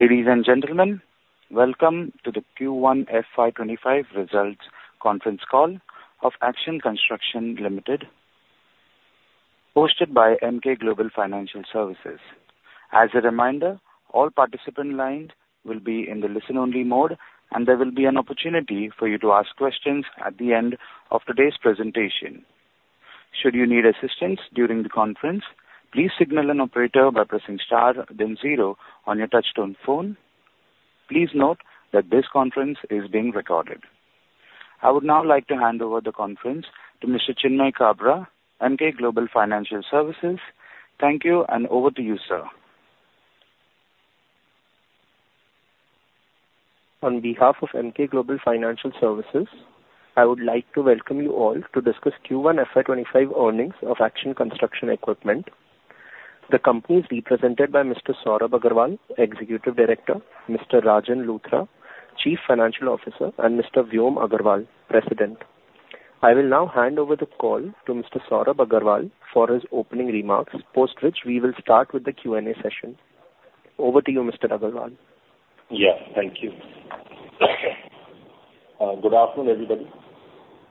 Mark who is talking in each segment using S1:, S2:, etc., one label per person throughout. S1: Ladies and gentlemen, welcome to the Q1 FY 2025 Results Conference Call of Action Construction Equipment Limited, hosted by Emkay Global Financial Services. As a reminder, all participants will be in the listen-only mode, and there will be an opportunity for you to ask questions at the end of today's presentation. Should you need assistance during the conference, please signal an operator by pressing star, then zero on your touch-tone phone. Please note that this conference is being recorded. I would now like to hand over the conference to Mr. Chinmay Kabra, Emkay Global Financial Services. Thank you, and over to you, sir.
S2: On behalf of Emkay Global Financial Services, I would like to welcome you all to discuss Q1 FY 2025 earnings of Action Construction Equipment. The company is represented by Mr. Saurabh Agarwal, Executive Director, Mr. Rajan Luthra, Chief Financial Officer, and Mr. Vyom Agarwal, President. I will now hand over the call to Mr. Saurabh Agarwal for his opening remarks, post which we will start with the Q&A session. Over to you, Mr. Agarwal.
S3: Yeah, thank you. Good afternoon, everybody,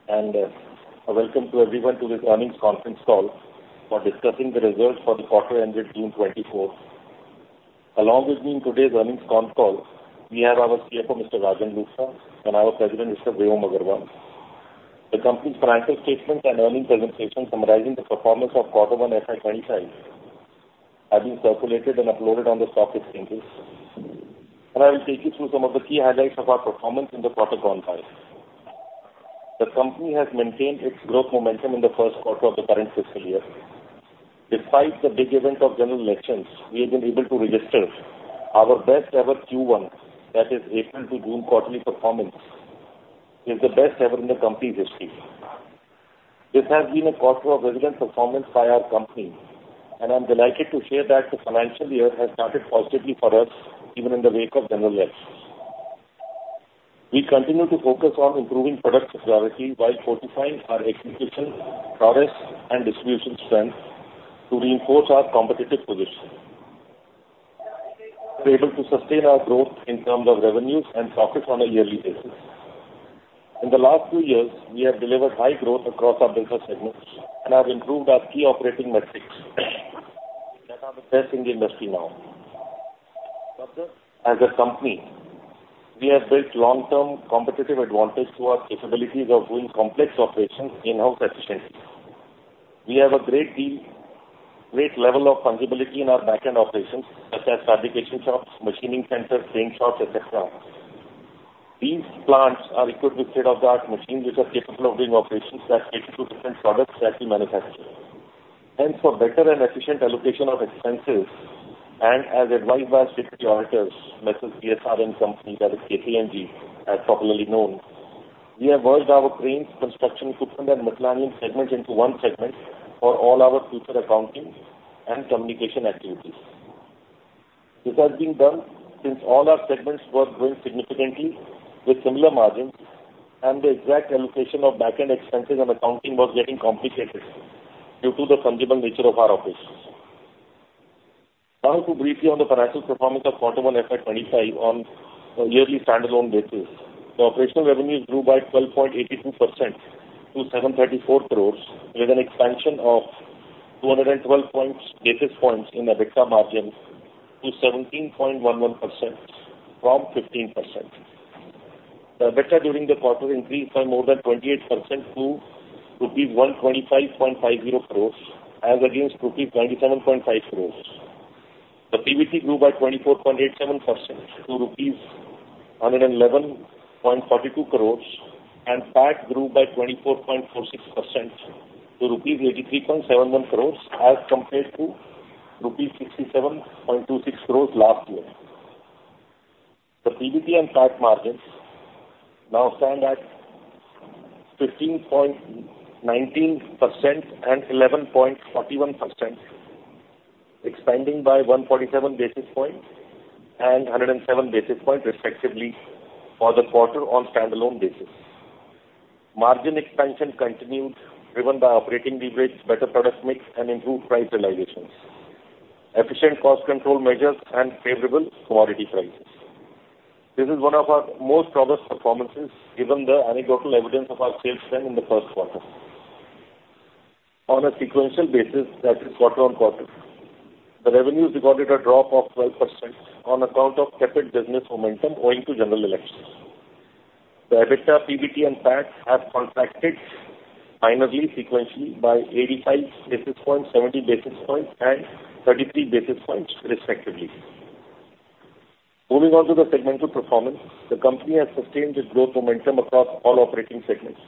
S3: and welcome to everyone to this earnings conference call for discussing the results for the quarter ended June 2024. Along with me in today's earnings con call, we have our CFO, Mr. Rajan Luthra, and our President, Mr. Vyom Agarwal. The company's financial statements and earnings presentation summarizing the performance of quarter one FY 2025 have been circulated and uploaded on the stock exchanges, and I will take you through some of the key highlights of our performance in the quarter gone by. The company has maintained its growth momentum in the first quarter of the current fiscal year. Despite the big event of general elections, we have been able to register our best-ever Q1, that is, April to June quarterly performance. It is the best ever in the company's history. This has been a quarter of excellent performance by our company, and I'm delighted to share that the financial year has started positively for us, even in the wake of general elections. We continue to focus on improving product security while fortifying our execution, products, and distribution strength to reinforce our competitive position. We're able to sustain our growth in terms of revenues and profits on a yearly basis. In the last two years, we have delivered high growth across our business segments and have improved our key operating metrics. We are the best in the industry now. As a company, we have built long-term competitive advantage through our capabilities of doing complex operations in-house efficiently. We have a great level of fungibility in our backend operations, such as fabrication shops, machining centers, crane shops, etc. These plants are equipped with state-of-the-art machines which are capable of doing operations that cater to different products that we manufacture. Hence, for better and efficient allocation of expenses, and as advised by our statutory auditors, M/s B S R & Co., that is KPMG, as popularly known, we have merged our Crane Construction Equipment and Material Handling segments into one segment for all our future accounting and communication activities. This has been done since all our segments were growing significantly with similar margins, and the exact allocation of backend expenses and accounting was getting complicated due to the fungible nature of our operations. Now, to brief you on the financial performance of quarter one FY 2025 on a yearly standalone basis. The operational revenues grew by 12.82% to 734 crores, with an expansion of 212 basis points in EBITDA margin to 17.11% from 15%. The EBITDA during the quarter increased by more than 28% to rupees 125.50 crores, as against rupees 97.50 crores. The PBT grew by 24.87% to rupees 111.42 crores, and PAT grew by 24.46% to rupees 83.71 crores, as compared to rupees 67.26 crores last year. The PBT and PAT margins now stand at 15.19% and 11.41%, expanding by 147 basis points and 107 basis points, respectively, for the quarter on standalone basis. Margin expansion continued, driven by operating leverage, better product mix, and improved price realizations, efficient cost control measures, and favorable commodity prices. This is one of our most promised performances, given the anecdotal evidence of our sales trend in the first quarter. On a sequential basis, that is, quarter-over-quarter, the revenues recorded a drop of 12% on account of tepid business momentum owing to general elections. The EBITDA, PBT, and PAT have contracted minorly sequentially by 85 basis points, 70 basis points, and 33 basis points, respectively. Moving on to the segmental performance, the company has sustained its growth momentum across all operating segments.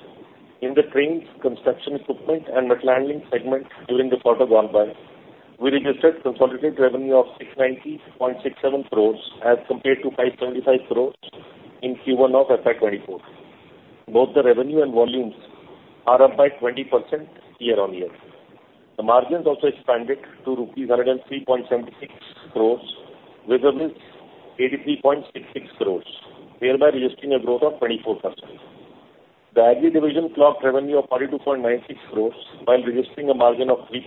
S3: In the Cranes, Construction Equipment and Material Handling segments during the quarter gone by, we registered consolidated revenue of 690.67 crores, as compared to 575 crores in Q1 of FY2024. Both the revenue and volumes are up by 20% year-on-year. The margins also expanded to rupees 103.76 crores, with a reach of 83.66 crores, thereby registering a growth of 24%. The Agri division clocked revenue of 42.96 crores, while registering a margin of 3%.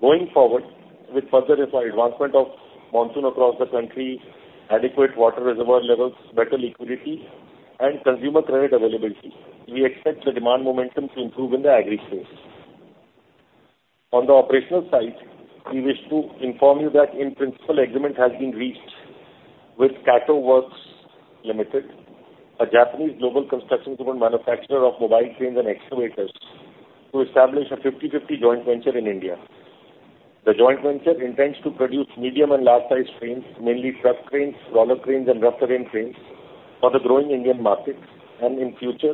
S3: Going forward, with further advancement of monsoon across the country, adequate water reservoir levels, better liquidity, and consumer credit availability, we expect the demand momentum to improve in the Agri space. On the operational side, we wish to inform you that, in principle, agreement has been reached with Kato Works Co., Ltd., a Japanese global construction equipment manufacturer of mobile cranes and excavators, to establish a 50/50 joint venture in India. The joint venture intends to produce medium and large-sized cranes, mainly truck cranes, crawler cranes, and rough terrain cranes, for the growing Indian market, and in future,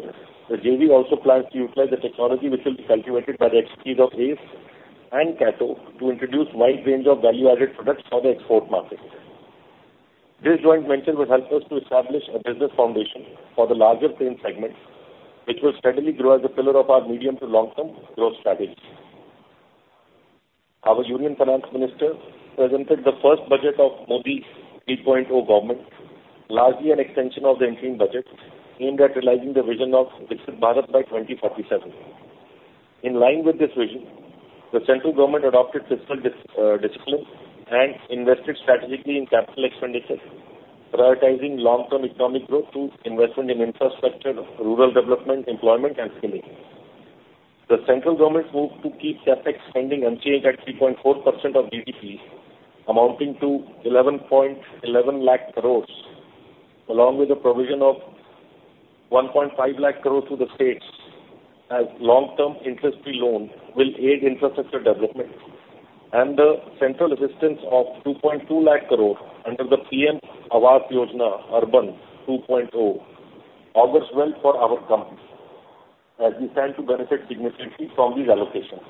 S3: the JV also plans to utilize the technology which will be cultivated by the executive of ACE and Kato to introduce a wide range of value-added products for the export market. This joint venture will help us to establish a business foundation for the larger crane segment, which will steadily grow as a pillar of our medium to long-term growth strategy. Our Union Finance Minister presented the first budget of Modi 3.0 government, largely an extension of the interim budget aimed at realizing the vision of Viksit Bharat by 2047. In line with this vision, the central government adopted fiscal discipline and invested strategically in capital expenditure, prioritizing long-term economic growth through investment in infrastructure, rural development, employment, and skilling. The central government moved to keep CapEX spending unchanged at 3.4% of GDP, amounting to 11.11 lakh crores, along with the provision of 1.5 lakh crores to the states as long-term interest-free loans, will aid infrastructure development, and the central assistance of 2.2 lakh crores under the PM Awas Yojana Urban 2.0 augurs well for our company, as we stand to benefit significantly from these allocations.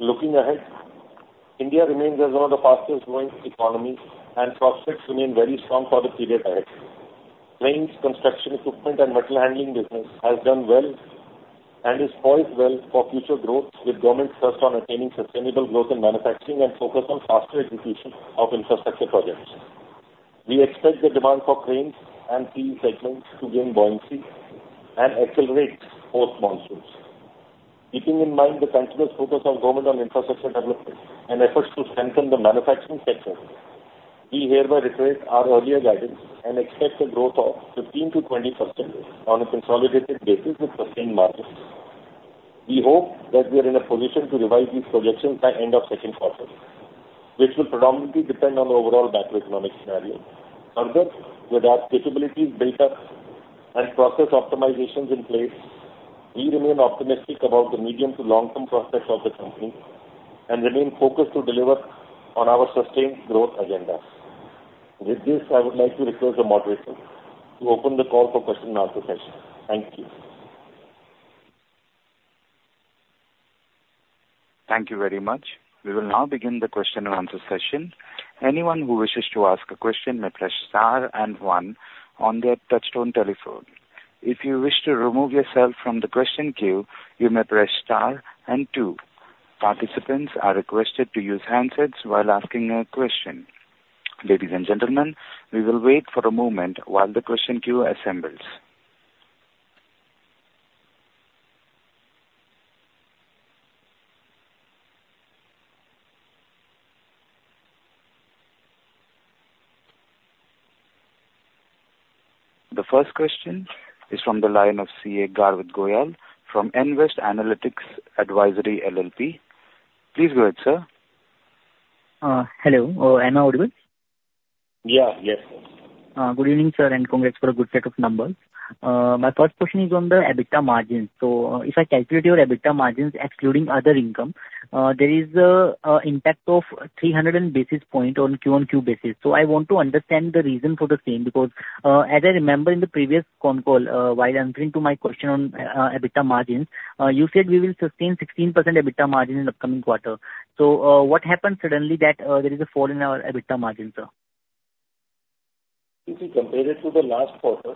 S3: Looking ahead, India remains as one of the fastest-growing economies, and prospects remain very strong for the period ahead. Cranes, construction equipment, and Material Handling business have done well and is poised well for future growth, with governments thirsting for attaining sustainable growth in manufacturing and focus on faster execution of infrastructure projects. We expect the demand for Cranes and CE segments to gain buoyancy and accelerate post-monsoons. Keeping in mind the continuous focus of government on infrastructure development and efforts to strengthen the manufacturing sector, we hereby reiterate our earlier guidance and expect a growth of 15%-20% on a consolidated basis with sustained margins. We hope that we are in a position to revise these projections by the end of the second quarter, which will predominantly depend on the overall macroeconomic scenario. Further, with our capabilities built up and process optimizations in place, we remain optimistic about the medium to long-term prospects of the company and remain focused to deliver on our sustained growth agenda. With this, I would like to request the moderator to open the call for question and answer session. Thank you.
S1: Thank you very much. We will now begin the question and answer session. Anyone who wishes to ask a question may press star and one on their touch-tone telephone. If you wish to remove yourself from the question queue, you may press star and two. Participants are requested to use handsets while asking a question. Ladies and gentlemen, we will wait for a moment while the question queue assembles. The first question is from the line of CA Garvit Goyal from Nvest Analytics Advisory LLP. Please go ahead, sir.
S4: Hello. Oh, am I audible?
S3: Yeah, yes.
S4: Good evening, sir, and congrats for a good set of numbers. My first question is on the EBITDA margins. So if I calculate your EBITDA margins, excluding other income, there is an impact of 300 basis points on a Q-on-Q basis. So I want to understand the reason for the same because, as I remember in the previous phone call, while answering to my question on EBITDA margins, you said we will sustain 16% EBITDA margin in the upcoming quarter. So what happened suddenly that there is a fall in our EBITDA margins, sir?
S3: If you compare it to the last quarter,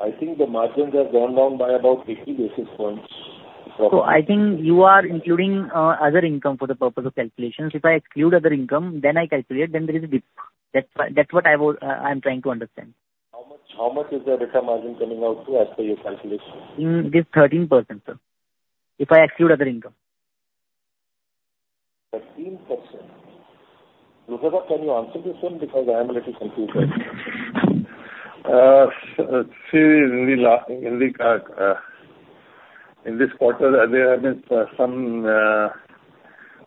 S3: I think the margins have gone down by about 80 basis points.
S4: So I think you are including other income for the purpose of calculations. If I exclude other income, then I calculate, then there is a dip. That's what I'm trying to understand.
S3: How much is the EBITDA margin coming out to as per your calculation?
S4: It is 13%, sir, if I exclude other income.
S3: 13%? Rajan, can you answer this one because I am a little confused?
S5: See, in this quarter, there have been some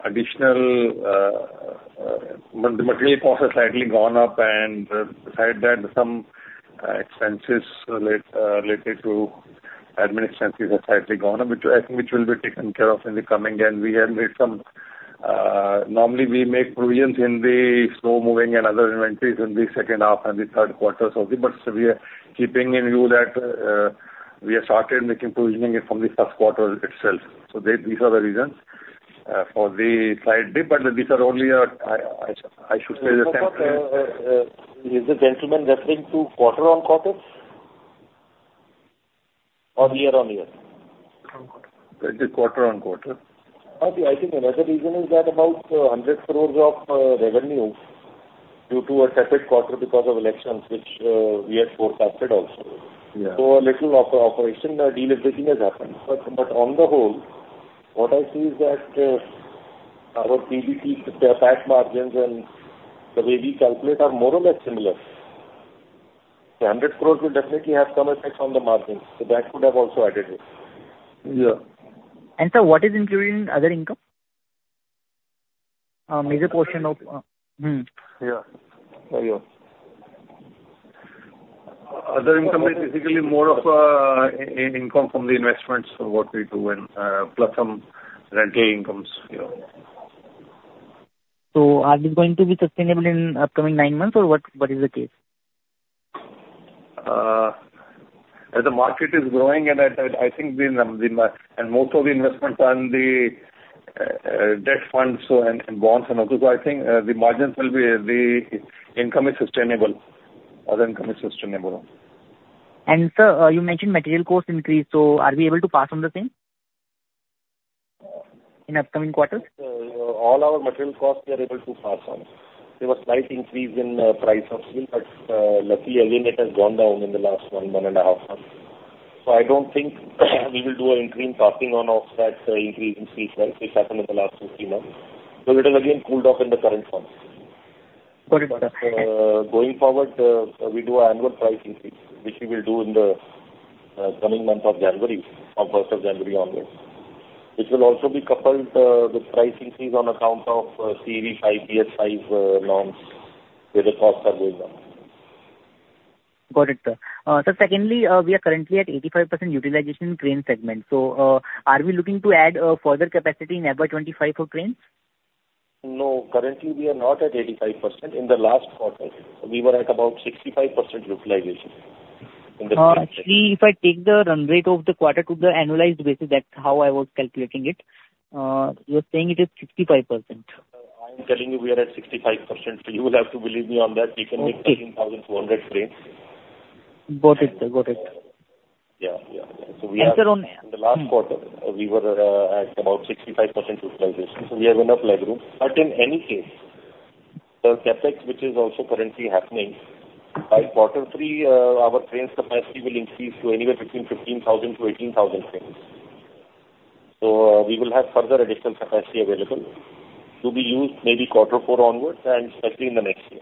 S5: additional material costs have slightly gone up, and beside that, some expenses related to admin expenses have slightly gone up, which I think will be taken care of in the coming year. And we have made some. Normally, we make provisions in the slow-moving and other inventories in the second half and the third quarters, but we are keeping in view that we have started making provisioning from the first quarter itself. So these are the reasons for the slight dip. But these are only, I should say, the template.
S3: Is the gentleman referring to quarter-over-quarter or year-over-year?
S5: Quarter-over-quarter.
S3: I think quarter-on-quarter. I think another reason is that about 100 crore of revenue due to a separate quarter because of elections, which we had forecasted also. So a little operational deliberation has happened. But on the whole, what I see is that our PBT, the PAT margins, and the way we calculate are more or less similar. The 100 crore will definitely have some effect on the margins. So that would have also added it.
S4: Sir, what is included in other income? Major portion of.
S5: Yeah. Other income is basically more of income from the investments of what we do, and plus some rental incomes.
S4: Are these going to be sustainable in the upcoming nine months, or what is the case?
S3: As the market is growing, and I think most of the investments are in the debt funds and bonds and all. So I think the margins will be, the income is sustainable. Other income is sustainable.
S4: Sir, you mentioned material costs increase. Are we able to pass on the same in the upcoming quarters?
S3: All our material costs, we are able to pass on. There was a slight increase in the price of steel, but luckily, again, it has gone down in the last 1.5 months. So I don't think we will do an increase passing on of that increase in steel price, which happened in the last 15 months. So it has again cooled off in the current months.
S4: Got it.
S3: But going forward, we do annual price increase, which we will do in the coming month of January, from the first of January onwards, which will also be coupled with price increase on account of CEV-V, BS-V norms, where the costs are going up.
S4: Got it, sir. Secondly, we are currently at 85% utilization in crane segment. Are we looking to add further capacity in FY 2025 for Cranes?
S3: No. Currently, we are not at 85%. In the last quarter, we were at about 65% utilization in the crane segment.
S4: See, if I take the run rate of the quarter to the annualized basis, that's how I was calculating it. You're saying it is 65%?
S3: I'm telling you, we are at 65%. So you will have to believe me on that. We can make 13,400 cranes.
S4: Got it. Got it.
S3: Yeah. Yeah. So we are in the last quarter, we were at about 65% utilization. So we have enough legroom. But in any case, the CapEx, which is also currently happening, by quarter three, our crane capacity will increase to anywhere between 15,000-18,000 cranes. So we will have further additional capacity available to be used maybe quarter four onwards, and especially in the next year.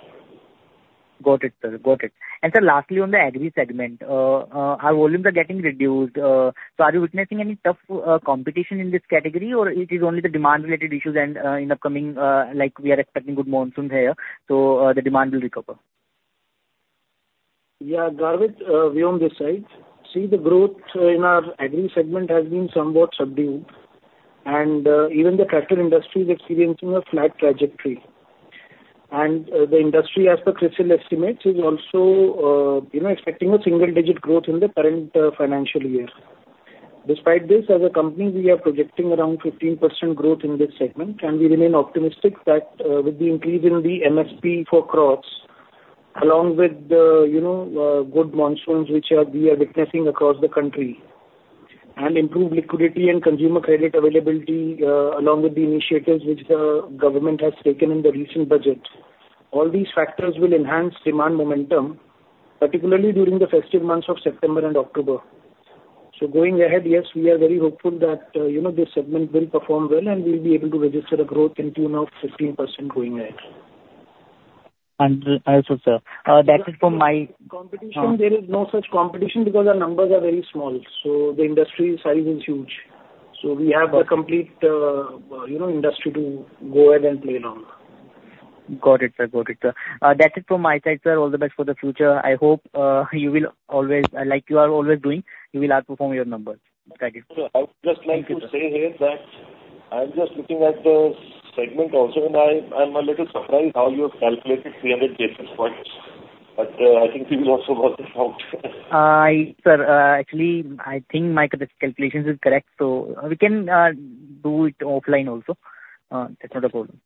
S4: Got it, sir. Got it. And sir, lastly, on the Agri segment, our volumes are getting reduced. So are you witnessing any tough competition in this category, or it is only the demand-related issues? And in the upcoming, like we are expecting good monsoons here, so the demand will recover?
S6: Yeah. Garvit, Vyom this side. See, the growth in our Agri segment has been somewhat subdued, and even the cattle industry is experiencing a flat trajectory. The industry, as per Crisil estimates, is also expecting a single-digit growth in the current financial year. Despite this, as a company, we are projecting around 15% growth in this segment, and we remain optimistic that with the increase in the MSP for crops, along with the good monsoons which we are witnessing across the country, and improved liquidity and consumer credit availability, along with the initiatives which the government has taken in the recent budget, all these factors will enhance demand momentum, particularly during the festive months of September and October. So going ahead, yes, we are very hopeful that this segment will perform well, and we'll be able to register a growth in tune of 15% going ahead.
S4: Thank you, sir. That is from my.
S3: Competition, there is no such competition because our numbers are very small. The industry size is huge. We have the complete industry to go ahead and play along.
S4: Got it, sir. Got it, sir. That is from my side, sir. All the best for the future. I hope you will always, like you are always doing, you will outperform your numbers. Thank you.
S3: I would just like to say here that I'm just looking at the segment also, and I'm a little surprised how you have calculated 300 basis points. But I think we will also work it out.
S4: Sir, actually, I think my calculations are correct. We can do it offline also. That's not a problem.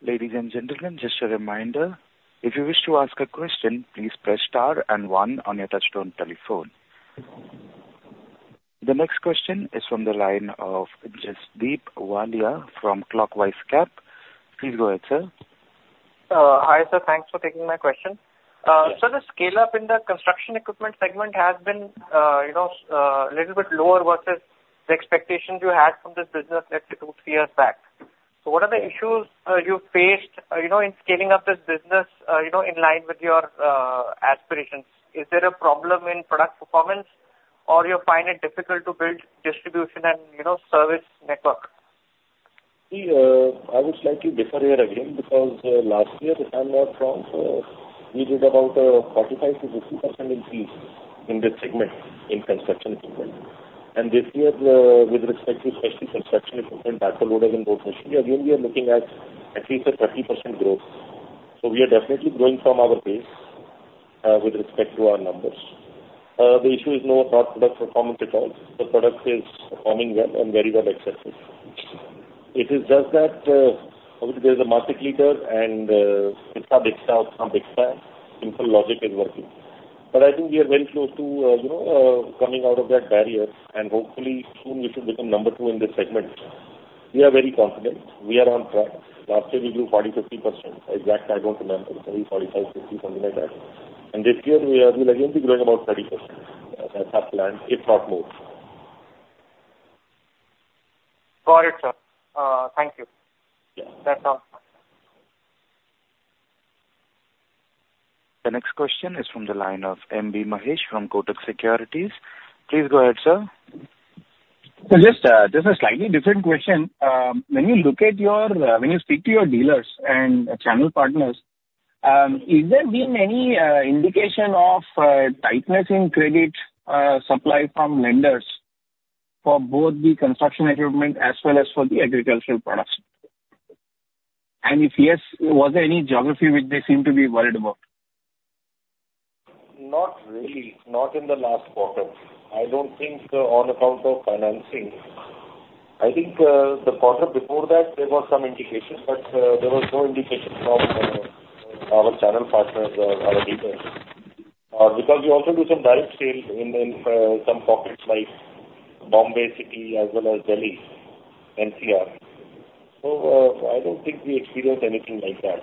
S1: Ladies and gentlemen, just a reminder, if you wish to ask a question, please press star and one on your touch-tone telephone. The next question is from the line of Jasdeep Walia from Clockvine Capital. Please go ahead, sir.
S7: Hi, sir. Thanks for taking my question. Sir, the scale-up in the construction equipment segment has been a little bit lower versus the expectations you had from this business 2-3 years back. So what are the issues you faced in scaling up this business in line with your aspirations? Is there a problem in product performance, or do you find it difficult to build distribution and service network?
S3: See, I would slightly differ here again because last year, if I'm not wrong, we did about a 45%-50% increase in this segment in construction equipment. And this year, with respect to especially construction equipment, backhoe loaders and [road machinery], again, we are looking at at least a 30% growth. So we are definitely growing from our base with respect to our numbers. The issue is not product performance at all. The product is performing well and very well accepted. It is just that there is a market leader and as much as it shows, it sells simple logic is working. But I think we are very close to coming out of that barrier, and hopefully, soon we should become number two in this segment. We are very confident. We are on track. Last year, we grew 40%-50%. Exactly, I don't remember. Maybe 45%-50%, something like that. This year, we will again be growing about 30%. That's our plan, if not more.
S7: Got it, sir. Thank you. That's all.
S1: The next question is from the line of M.B. Mahesh from Kotak Securities. Please go ahead, sir.
S8: So, just a slightly different question. When you speak to your dealers and channel partners, is there been any indication of tightness in credit supply from lenders for both the construction equipment as well as for the agricultural products? And if yes, was there any geography which they seem to be worried about?
S3: Not really. Not in the last quarter. I don't think on account of financing. I think the quarter before that, there was some indication, but there was no indication from our channel partners or our dealers. Because we also do some direct sales in some pockets like Bombay City as well as Delhi, NCR. So I don't think we experienced anything like that.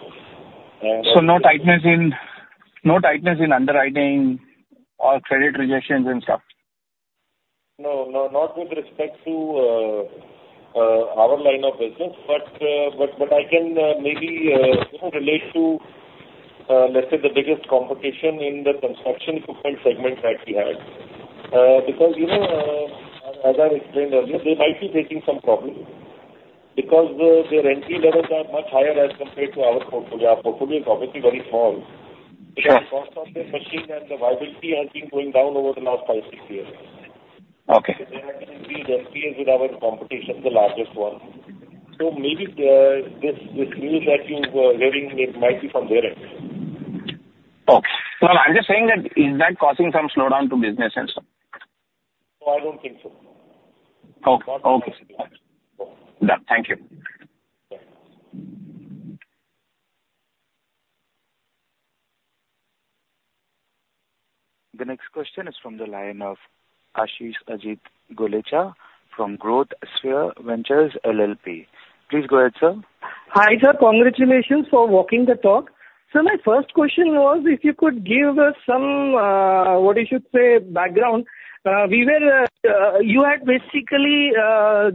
S8: No tightness in underwriting or credit rejections and stuff?
S3: No, not with respect to our line of business. But I can maybe relate to, let's say, the biggest complication in the construction equipment segment that we have. Because as I explained earlier, they might be facing some problems because their NP levels are much higher as compared to our portfolio. Our portfolio is obviously very small. The cost of the machine and the viability has been going down over the last 5, 6 years. So they have been increased NPs with our competition, the largest one. So maybe this news that you're hearing might be from their end.
S8: Okay. Well, I'm just saying that is that causing some slowdown to business and stuff?
S3: No, I don't think so.
S8: Okay. Okay. Thank you.
S1: The next question is from the line of Ashish Ajit Gullecha from Growth Sphere Ventures LLP. Please go ahead, sir.
S9: Hi, sir. Congratulations for walking the talk. Sir, my first question was if you could give us some, what you should say, background. You had basically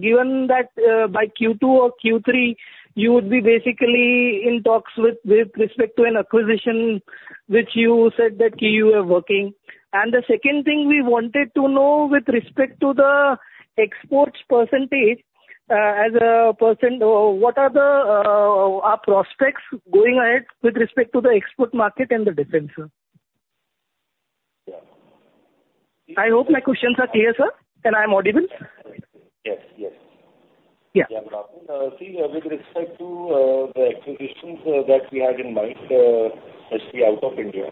S9: given that by Q2 or Q3, you would be basically in talks with respect to an acquisition, which you said that you were working. And the second thing we wanted to know with respect to the exports percentage, as a percent, what are our prospects going ahead with respect to the export market and the defense? I hope my questions are clear, sir. Can I have more details?
S3: Yes. Yes. Yeah. See, with respect to the acquisitions that we had in mind, especially out of India.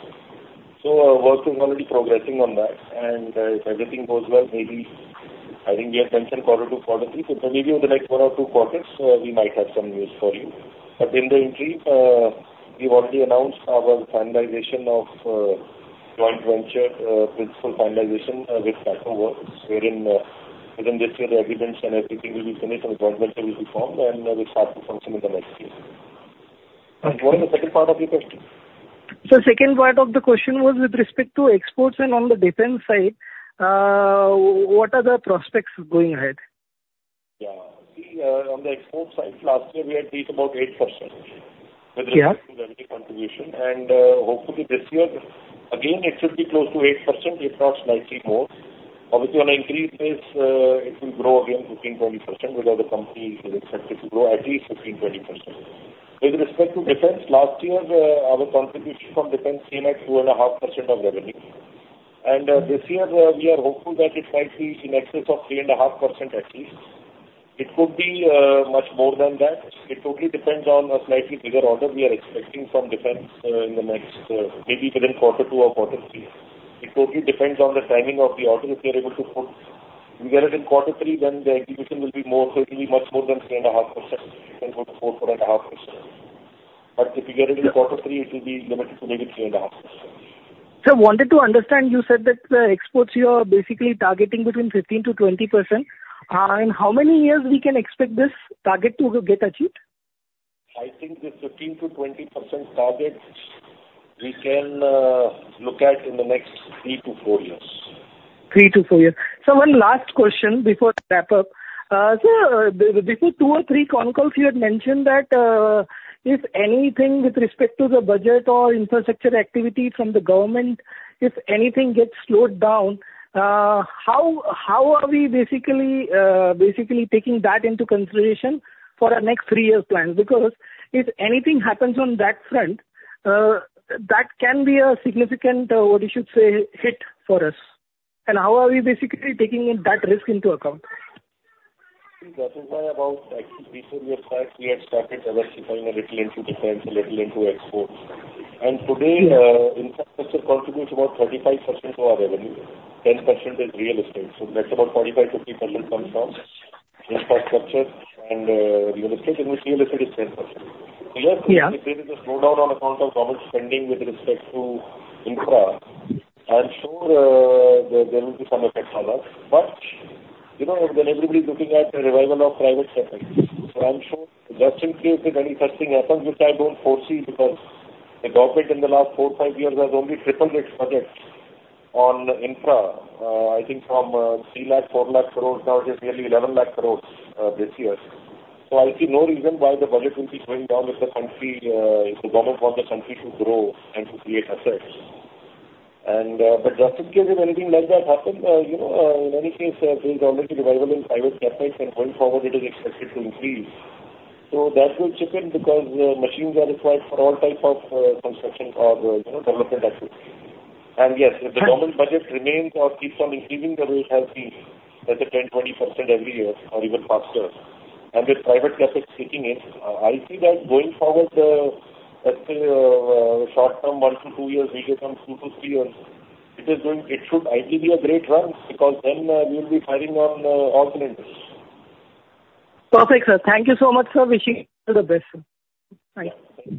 S3: So work is already progressing on that. And if everything goes well, maybe I think we have mentioned quarter two, quarter three. So maybe over the next one or two quarters, we might have some news for you. But in the interim, we've already announced our finalization of joint venture, principal finalization with Kato Works, wherein within this year, the investment and everything will be finished, and the joint venture will be formed, and we'll start to function in the next year. What is the second part of your question?
S9: The second part of the question was with respect to exports and, on the defense side, what are the prospects going ahead?
S3: Yeah. See, on the export side, last year, we had reached about 8% with respect to every contribution. And hopefully, this year, again, it should be close to 8%, if not slightly more. Obviously, on an increased base, it will grow again 15%-20%, whereas the company is expected to grow at least 15%-20%. With respect to defense, last year, our contribution from defense came at 2.5% of revenue. And this year, we are hopeful that it might be in excess of 3.5% at least. It could be much more than that. It totally depends on a slightly bigger order we are expecting from defense in the next maybe within quarter two or quarter three. It totally depends on the timing of the order. If we get it in quarter three, then the execution will be more certainly much more than 3.5%. We can put 4%-4.5%. But if we get it in quarter three, it will be limited to maybe 3.5%.
S9: Sir, I wanted to understand. You said that the exports you are basically targeting between 15%-20%. In how many years can we expect this target to get achieved?
S3: I think this 15%-20% target, we can look at in the next three to four years.
S9: 3 to 4 years. Sir, one last question before I wrap up. Sir, before two or three con calls, you had mentioned that if anything with respect to the budget or infrastructure activity from the government, if anything gets slowed down, how are we basically taking that into consideration for our next 3-year plan? Because if anything happens on that front, that can be a significant, what you should say, hit for us. And how are we basically taking that risk into account?
S3: That is why about actually recent years, we had started diversifying a little into defense, a little into exports. And today, infrastructure contributes about 35% to our revenue. 10% is real estate. So that's about 45%-50% comes from infrastructure and real estate, in which real estate is 10%. So yes, if there is a slowdown on account of government spending with respect to infra, I'm sure there will be some effect on us. But then everybody's looking at the revival of private sector. So I'm sure just in case if any such thing happens, which I don't foresee because the government in the last 4-5 years has only tripled its budget on infra, I think from 300,000-400,000 crore, now it is nearly 1,100,000 crore this year. So I see no reason why the budget will be going down if the country, if the government wants the country to grow and to create assets. But just in case if anything like that happens, in any case, there is already revival in private capital, and going forward, it is expected to increase. So that will chip in because machines are required for all types of construction or development activity. And yes, if the government budget remains or keeps on increasing, there will have been 10%, 20% every year or even faster. And with private capital kicking in, I see that going forward, let's say, short term, 1-2 years, maybe some 2-3 years, it should ideally be a great run because then we will be firing on all the lenders.
S9: Perfect, sir. Thank you so much, sir. Wishing you all the best. Bye.
S3: Bye.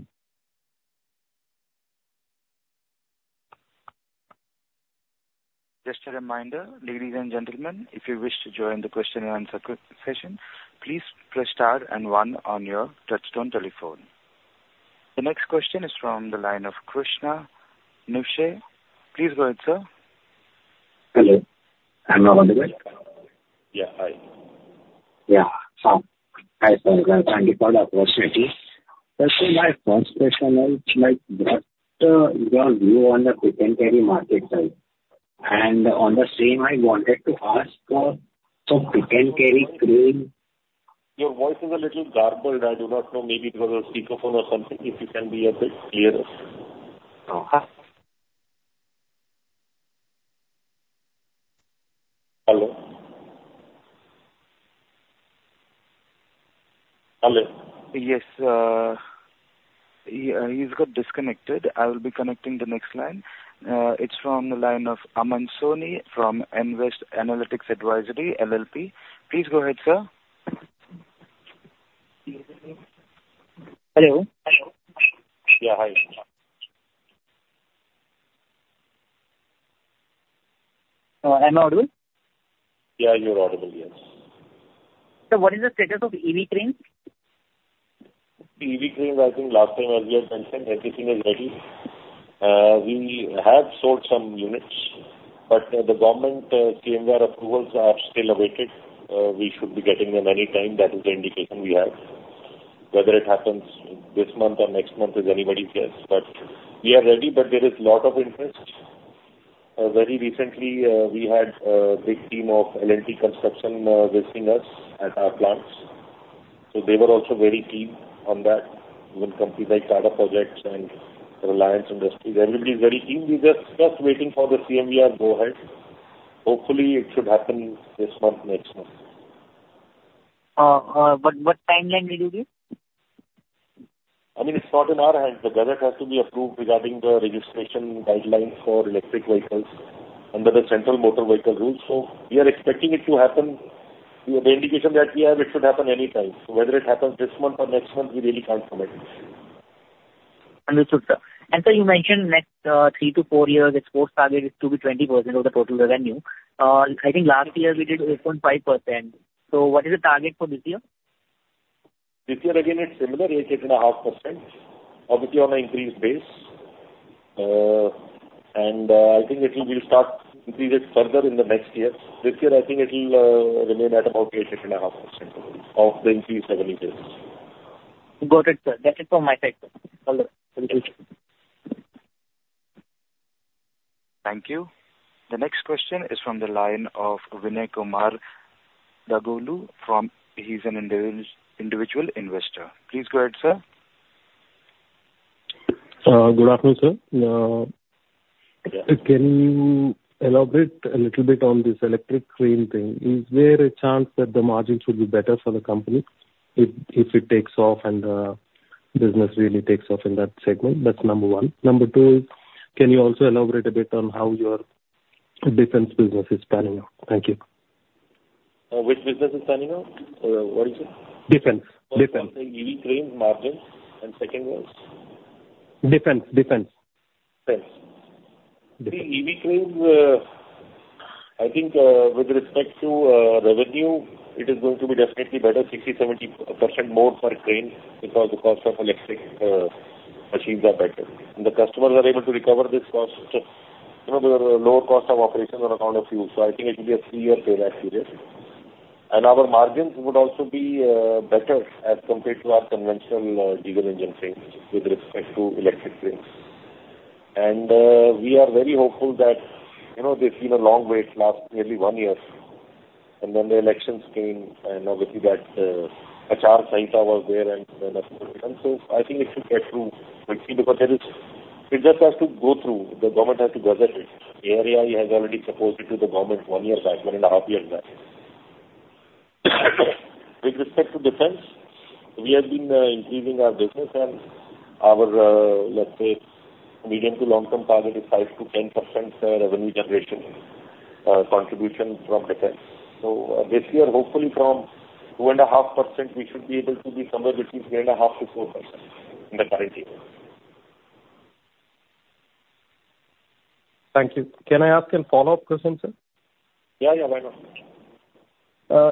S1: Just a reminder, ladies and gentlemen, if you wish to join the question-and-answer session, please press star and one on your touch-tone telephone. The next question is from the line of Krishna, Niveshaay. Please go ahead, sir.
S10: Hello. I'm now on the line.
S3: Yeah. Hi.
S10: Yeah. So thanks for the opportunity. First of all, my first question is, like what is your view on the pick and carry market size? And on the same, I wanted to ask for pick and carry crane.
S3: Your voice is a little garbled. I do not know. Maybe it was a speakerphone or something. If you can be a bit clearer.
S10: Hello.
S3: Hello.
S1: Yes. He's got disconnected. I will be connecting the next line. It's from the line of Aman Soni from Nvest Analytics Advisory LLP. Please go ahead, sir.
S11: Hello.
S3: Hello. Yeah. Hi.
S11: Am I audible?
S3: Yeah. You're audible, yes.
S11: Sir, what is the status of EV cranes?
S3: EV cranes, I think last time, as you had mentioned, everything is ready. We have sold some units, but the government CMVR approvals are still awaited. We should be getting them anytime. That is the indication we have. Whether it happens this month or next month is anybody's guess. But we are ready, but there is a lot of interest. Very recently, we had a big team of L&T Construction visiting us at our plants. So they were also very keen on that. Even companies like Tata Projects and Reliance Industries, everybody is very keen. We're just waiting for the CMVR to go ahead. Hopefully, it should happen this month, next month.
S11: What timeline will you give?
S3: I mean, it's not in our hands. The gazette has to be approved regarding the registration guidelines for electric vehicles under the Central Motor Vehicles Rules. So we are expecting it to happen. The indication that we have, it should happen anytime. So whether it happens this month or next month, we really can't commit.
S11: Understood, sir. And sir, you mentioned next 3-4 years, export target is to be 20% of the total revenue. I think last year we did 8.5%. So what is the target for this year?
S3: This year, again, it's similar, 8.5%, obviously on an increased base. I think it will start to increase further in the next year. This year, I think it will remain at about 8.5% of the increased revenue base.
S11: Got it, sir. That's it from my side, sir.
S3: Hello. Thank you.
S1: Thank you. The next question is from the line of Vinay Kumar Daggolu. He's an individual investor. Please go ahead, sir.
S12: Good afternoon, sir. Can you elaborate a little bit on this electric crane thing? Is there a chance that the margin should be better for the company if it takes off and the business really takes off in that segment? That's number one. Number two is, can you also elaborate a bit on how your defense business is panning out? Thank you.
S3: Which business is panning out? What did you say?
S12: Defense. Defense.
S3: I was saying EV crane margin and second was?
S12: Defense. Defense. Defense. Defense.
S3: See, EV crane, I think with respect to revenue, it is going to be definitely better, 60%-70% more for crane because the cost of electric machines are better. And the customers are able to recover this cost with a lower cost of operation on account of use. So I think it will be a three-year payback period. And our margins would also be better as compared to our conventional diesel engine thing with respect to electric cranes. And we are very hopeful that they've seen a long wait last nearly one year. And then the elections came, and obviously that Aachar Sanhita was there and then a couple of times. So I think it should get through quickly because it just has to go through. The government has to gazette it. The ARAI has already proposed it to the government one year back, one and a half years back. With respect to defense, we have been increasing our business. Our, let's say, medium to long-term target is 5%-10% revenue generation contribution from defense. This year, hopefully, from 2.5%, we should be able to be somewhere between 3.5%-4% in the current year.
S12: Thank you. Can I ask a follow-up question, sir?
S3: Yeah. Yeah. Why not?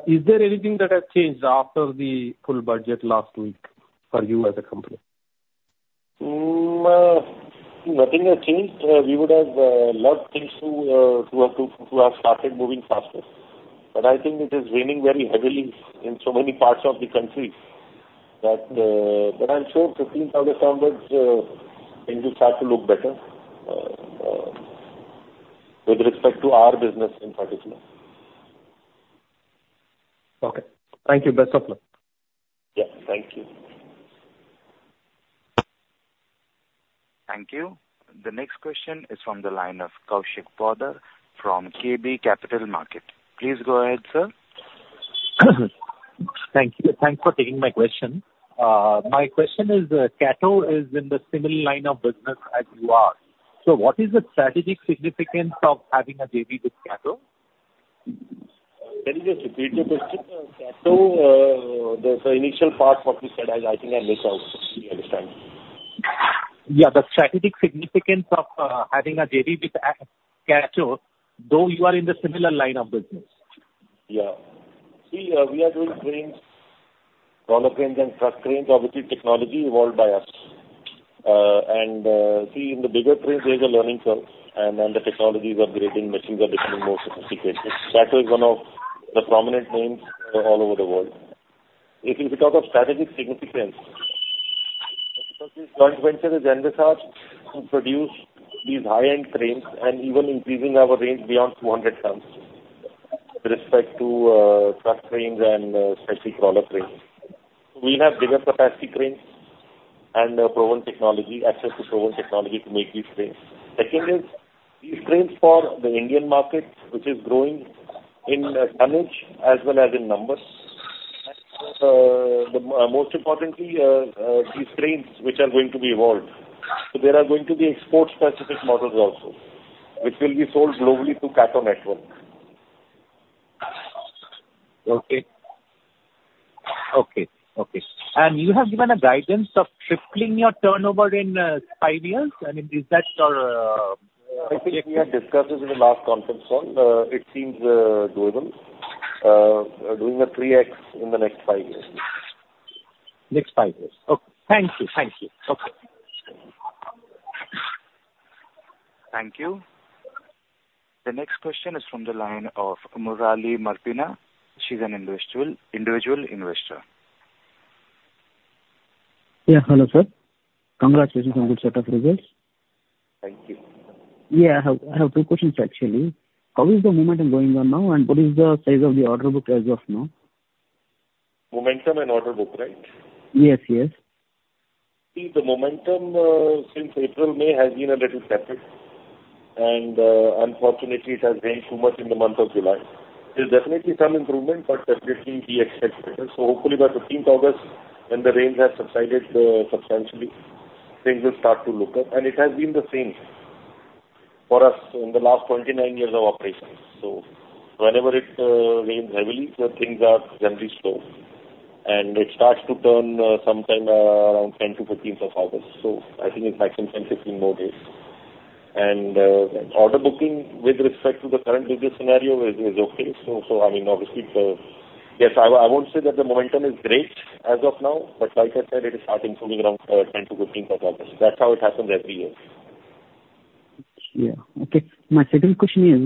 S12: Is there anything that has changed after the full budget last week for you as a company?
S3: Nothing has changed. We would have loved things to have started moving faster. But I think it is raining very heavily in so many parts of the country that I'm sure 15th August onwards will start to look better with respect to our business in particular.
S12: Okay. Thank you. Best of luck.
S3: Yeah. Thank you.
S1: Thank you. The next question is from the line of Kaushik Poddar from KB Capital Markets. Please go ahead, sir.
S13: Thank you. Thanks for taking my question. My question is, Kato is in the similar line of business as you are. So what is the strategic significance of having a JV with Kato?
S3: Can you just repeat your question? So the initial part of what you said, I think I missed out. Do you understand?
S13: Yeah. The strategic significance of having a JV with Kato, though you are in the similar line of business.
S3: Yeah. See, we are doing cranes, crawler cranes, and truck cranes, obviously technology evolved by us. And see, in the bigger cranes, there's a learning curve. And then the technology is upgrading. Machines are becoming more sophisticated. Kato is one of the prominent names all over the world. If you talk of strategic significance, joint venture with Kato to produce these high-end cranes and even increasing our range beyond 200 tons with respect to truck cranes and specific crawler cranes. We have bigger capacity cranes and proven technology, access to proven technology to make these cranes. Second is, these cranes for the Indian market, which is growing in tonnage as well as in numbers. And most importantly, these cranes, which are going to be evolved. So there are going to be export-specific models also, which will be sold globally through Kato Network.
S13: Okay. Okay. Okay. You have given a guidance of tripling your turnover in five years. I mean, is that your?
S3: I think we had discussed this in the last conference call. It seems doable. Doing a 3x in the next five years.
S13: Next five years. Okay. Thank you. Thank you. Okay.
S1: Thank you. The next question is from the line of Murali Marpina. She's an individual investor.
S14: Yeah. Hello, sir. Congratulations on good set of results.
S3: Thank you.
S14: Yeah. I have two questions, actually. How is the momentum going on now, and what is the size of the order book as of now?
S3: Momentum and order book, right?
S14: Yes. Yes.
S3: See, the momentum since April, May has been a little tepid. And unfortunately, it has rained too much in the month of July. There's definitely some improvement, but it seems we expect better. So hopefully, by 15th August, when the rains have subsided substantially, things will start to look up. And it has been the same for us in the last 29 years of operation. So whenever it rains heavily, things are generally slow. And it starts to turn sometime around 10th to 15th of August. So I think it's maximum 10-15 more days. And order booking with respect to the current business scenario is okay. So I mean, obviously, yes, I won't say that the momentum is great as of now, but like I said, it is starting to move around 10th to 15th of August. That's how it happens every year.
S14: Yeah. Okay. My second question is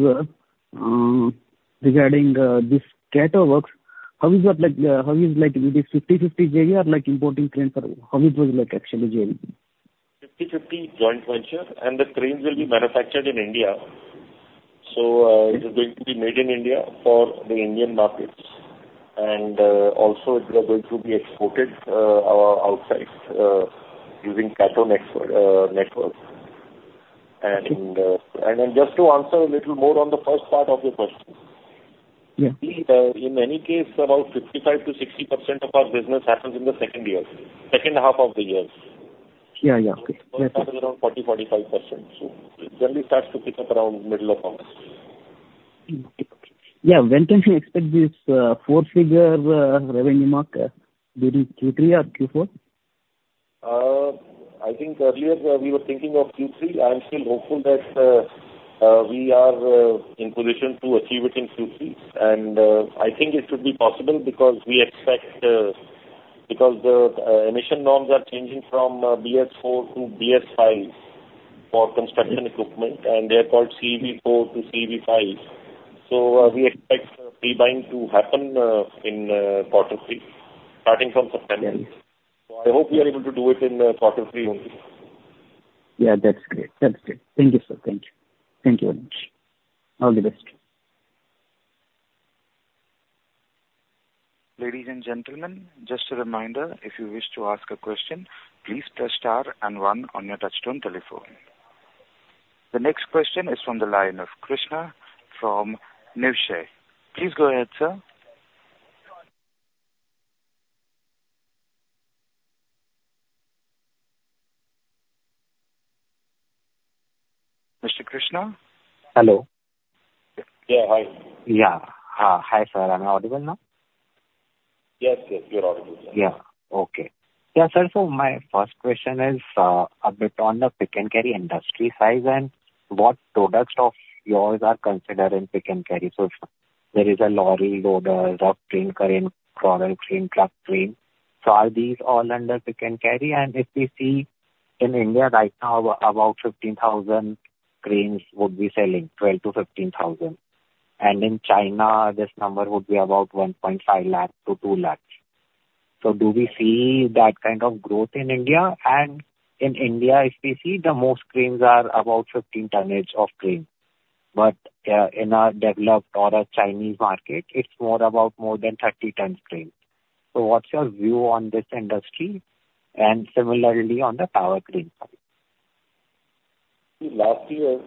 S14: regarding this Kato Works. How is this 50/50 JV or like importing cranes or how it was actually JV?
S3: 50/50 joint venture. The cranes will be manufactured in India. So it is going to be made in India for the Indian markets. And also, it will go to be exported outside using Kato network. And just to answer a little more on the first part of your question, see, in any case, about 55%-60% of our business happens in the second half of the year.
S14: Yeah. Yeah. Okay.
S3: That is around 40%, 45%. So it generally starts to pick up around middle of August. Yeah. When can you expect this four-figure revenue mark during Q3 or Q4? I think earlier, we were thinking of Q3. I'm still hopeful that we are in position to achieve it in Q3. I think it should be possible because we expect the emission norms are changing from BS-IV to BS-V for construction equipment. They are called CEV-IV to CEV-V. We expect pre-buying to happen in quarter three, starting from September. I hope we are able to do it in quarter three only.
S14: Yeah. That's great. That's great. Thank you, sir. Thank you. Thank you very much. All the best.
S1: Ladies and gentlemen, just a reminder, if you wish to ask a question, please press star and one on your touchtone telephone. The next question is from the line of Krishna from Niveshaay. Please go ahead, sir. Mr. Krishna?
S10: Hello.
S3: Yeah. Hi.
S10: Yeah. Hi, sir. Am I audible now?
S3: Yes. Yes. You're audible, sir.
S10: Yeah. Okay. Yeah, sir. So my first question is a bit on the pick and carry industry size and what products of yours are considered in pick and carry. So there is a Lorry Loader, crawler crane, truck crane. So are these all under pick and carry? And if we see in India right now, about 15,000 cranes would be selling, 12,000-15,000. And in China, this number would be about 150,000-200,000. So do we see that kind of growth in India? And in India, if we see, the most cranes are about 15-tonnage of crane. But in our developed or our Chinese market, it's more about more than 30-ton crane. So what's your view on this industry and similarly on the tower crane side?
S3: Last year,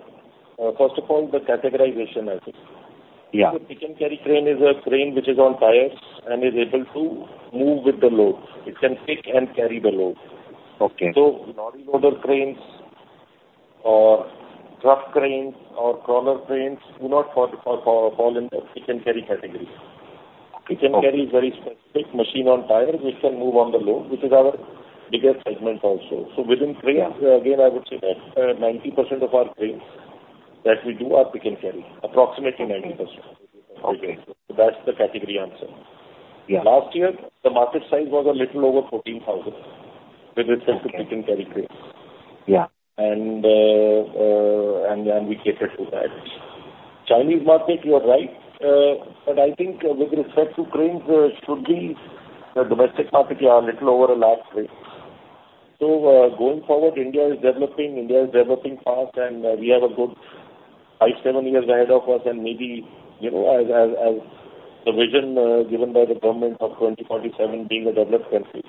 S3: first of all, the categorization, I think. The pick and carry crane is a crane which is on tires and is able to move with the load. It can pick and carry the load. So Lorry Loader cranes or Truck Cranes or Crawler Cranes do not fall in the pick and carry category. Pick and carry is very specific machine on tires which can move on the load, which is our biggest segment also. So within crane, again, I would say 90% of our cranes that we do are pick and carry, approximately 90%. So that's the category answer. Last year, the market size was a little over 14,000 with respect to pick and carry crane. And then we catered to that. Chinese market, you're right. But I think with respect to cranes, it should be the domestic market, yeah, a little over 100,000 crane. Going forward, India is developing. India is developing fast. We have a good 5-7 years ahead of us. Maybe as the vision given by the government of 2047 being a developed country.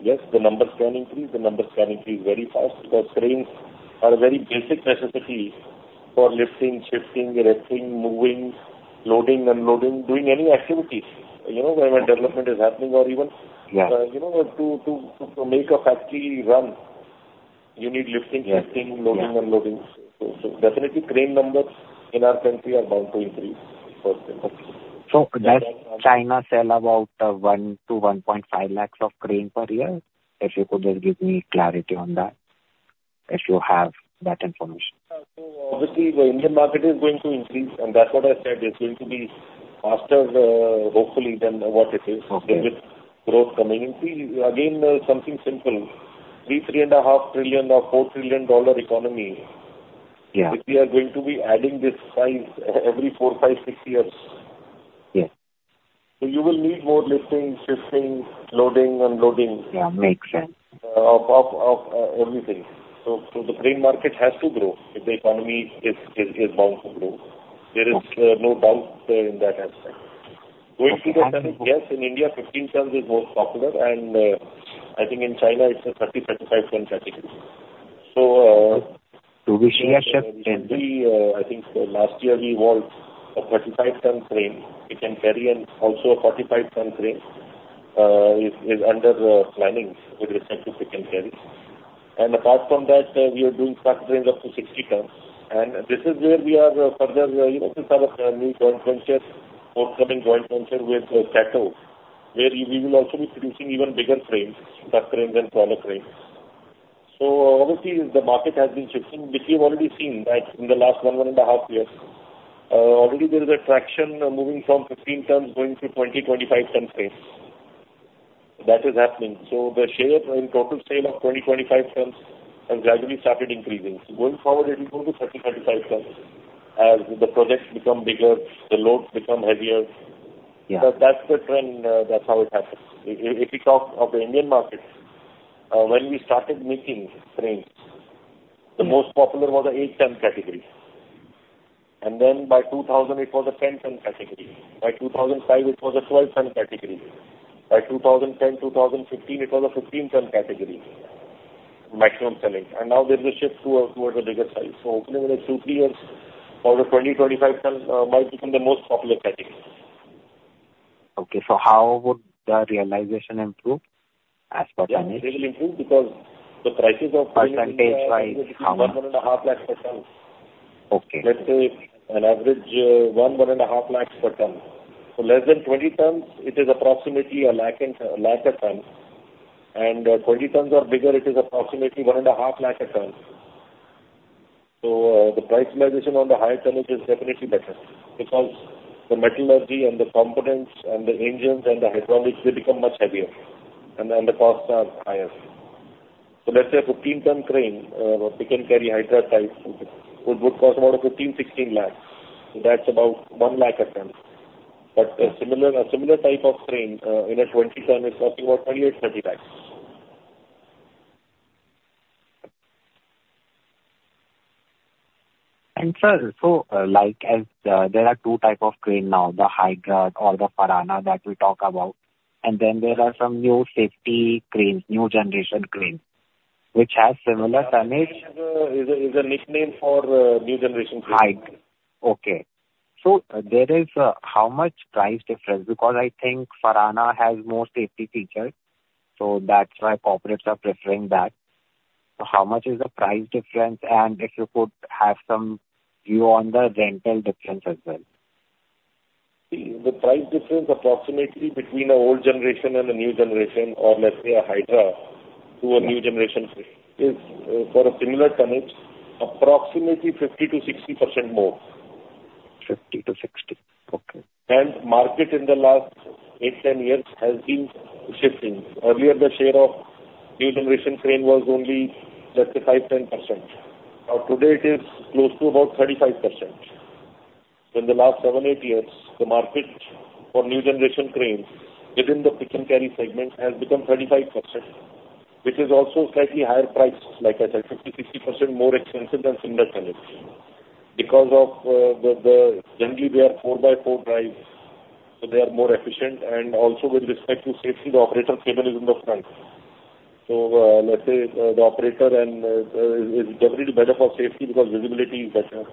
S3: Yes, the numbers can increase. The numbers can increase very fast because cranes are a very basic necessity for lifting, shifting, lifting, moving, loading, unloading, doing any activity when development is happening or even to make a factory run, you need lifting, shifting, loading, unloading. Definitely, crane numbers in our country are bound to increase first.
S10: Does China sell about 100,000-150,000 cranes per year? If you could just give me clarity on that, if you have that information.
S3: So obviously, the Indian market is going to increase. And that's what I said. It's going to be faster, hopefully, than what it is with growth coming. And see, again, something simple. $3 trillion, $3.5 trillion or $4 trillion economy, we are going to be adding this size every 4, 5, 6 years. So you will need more lifting, shifting, loading, unloading.
S10: Yeah. Makes sense.
S3: Of everything. So the crane market has to grow if the economy is bound to grow. There is no doubt in that aspect. Going to the tonnage, yes, in India, 15 tons is most popular. And I think in China, it's a 30-35 tons category. So we shipped in the, I think, last year, we evolved a 35-ton crane. We can carry. And also, a 45-ton crane is under planning with respect to pick and carry. And apart from that, we are doing truck cranes up to 60 tons. And this is where we are further with our new joint venture, forthcoming joint venture with Kato, where we will also be producing even bigger cranes, truck cranes and crawler cranes. So obviously, the market has been shifting. We have already seen that in the last one and a half years. Already, there is a traction moving from 15 tons going to 20-25 tons cranes. That is happening. So the total sale of 20-25 tons has gradually started increasing. So going forward, it will go to 30-35 tons as the products become bigger, the loads become heavier. But that's the trend. That's how it happens. If you talk of the Indian market, when we started making cranes, the most popular was the 8-ton category. Then by 2000, it was a 10-ton category. By 2005, it was a 12-ton category. By 2010-2015, it was a 15-ton category, maximum selling. And now, there's a shift towards a bigger size. So hopefully, within 2-3 years, over 20-25 tons might become the most popular category.
S10: Okay. So how would the realization improve as per tonnage?
S3: Yes. It will improve because the prices of cranes will increase by 1-1.5 lakhs per tonne.
S10: Okay.
S3: Let's say an average 1-1.5 lakhs per ton. So less than 20 tons, it is approximately 1 lakh per ton. And 20 tons or bigger, it is approximately 1.5 lakhs per ton. So the price realization on the higher tonnage is definitely better because the metallurgy and the components and the engines and the hydraulics, they become much heavier. And the costs are higher. So let's say a 15-ton crane, pick and carry hydra type, would cost about 15-16 lakhs. So that's about 1 lakh per ton. But a similar type of crane in a 20-ton is costing about 28-30 lakhs.
S10: Sir, so like there are two types of crane now, the Hydra or the Farana that we talk about. And then there are some new safety cranes, new generation cranes, which have similar tonnage.
S3: Hydra is a nickname for new generation crane.
S10: Hydra. Okay. So there is how much price difference? Because I think Farana has more safety features. So that's why corporates are preferring that. So how much is the price difference? And if you could have some view on the rental difference as well.
S3: The price difference approximately between an old generation and a new generation, or let's say a Hydra to a new generation crane, is for a similar tonnage, approximately 50%-60% more.
S10: 50%-60%. Okay.
S3: The market in the last 8-10 years has been shifting. Earlier, the share of new generation crane was only 10%-35%. Now, today, it is close to about 35%. So in the last 7-8 years, the market for new generation crane within the pick and carry segment has become 35%, which is also slightly higher price, like I said, 50%-60% more expensive than similar tonnage because of the generally, they are 4x4 drives. So they are more efficient. And also, with respect to safety, the operator cab is in the front. So let's say the operator is definitely better for safety because visibility is better.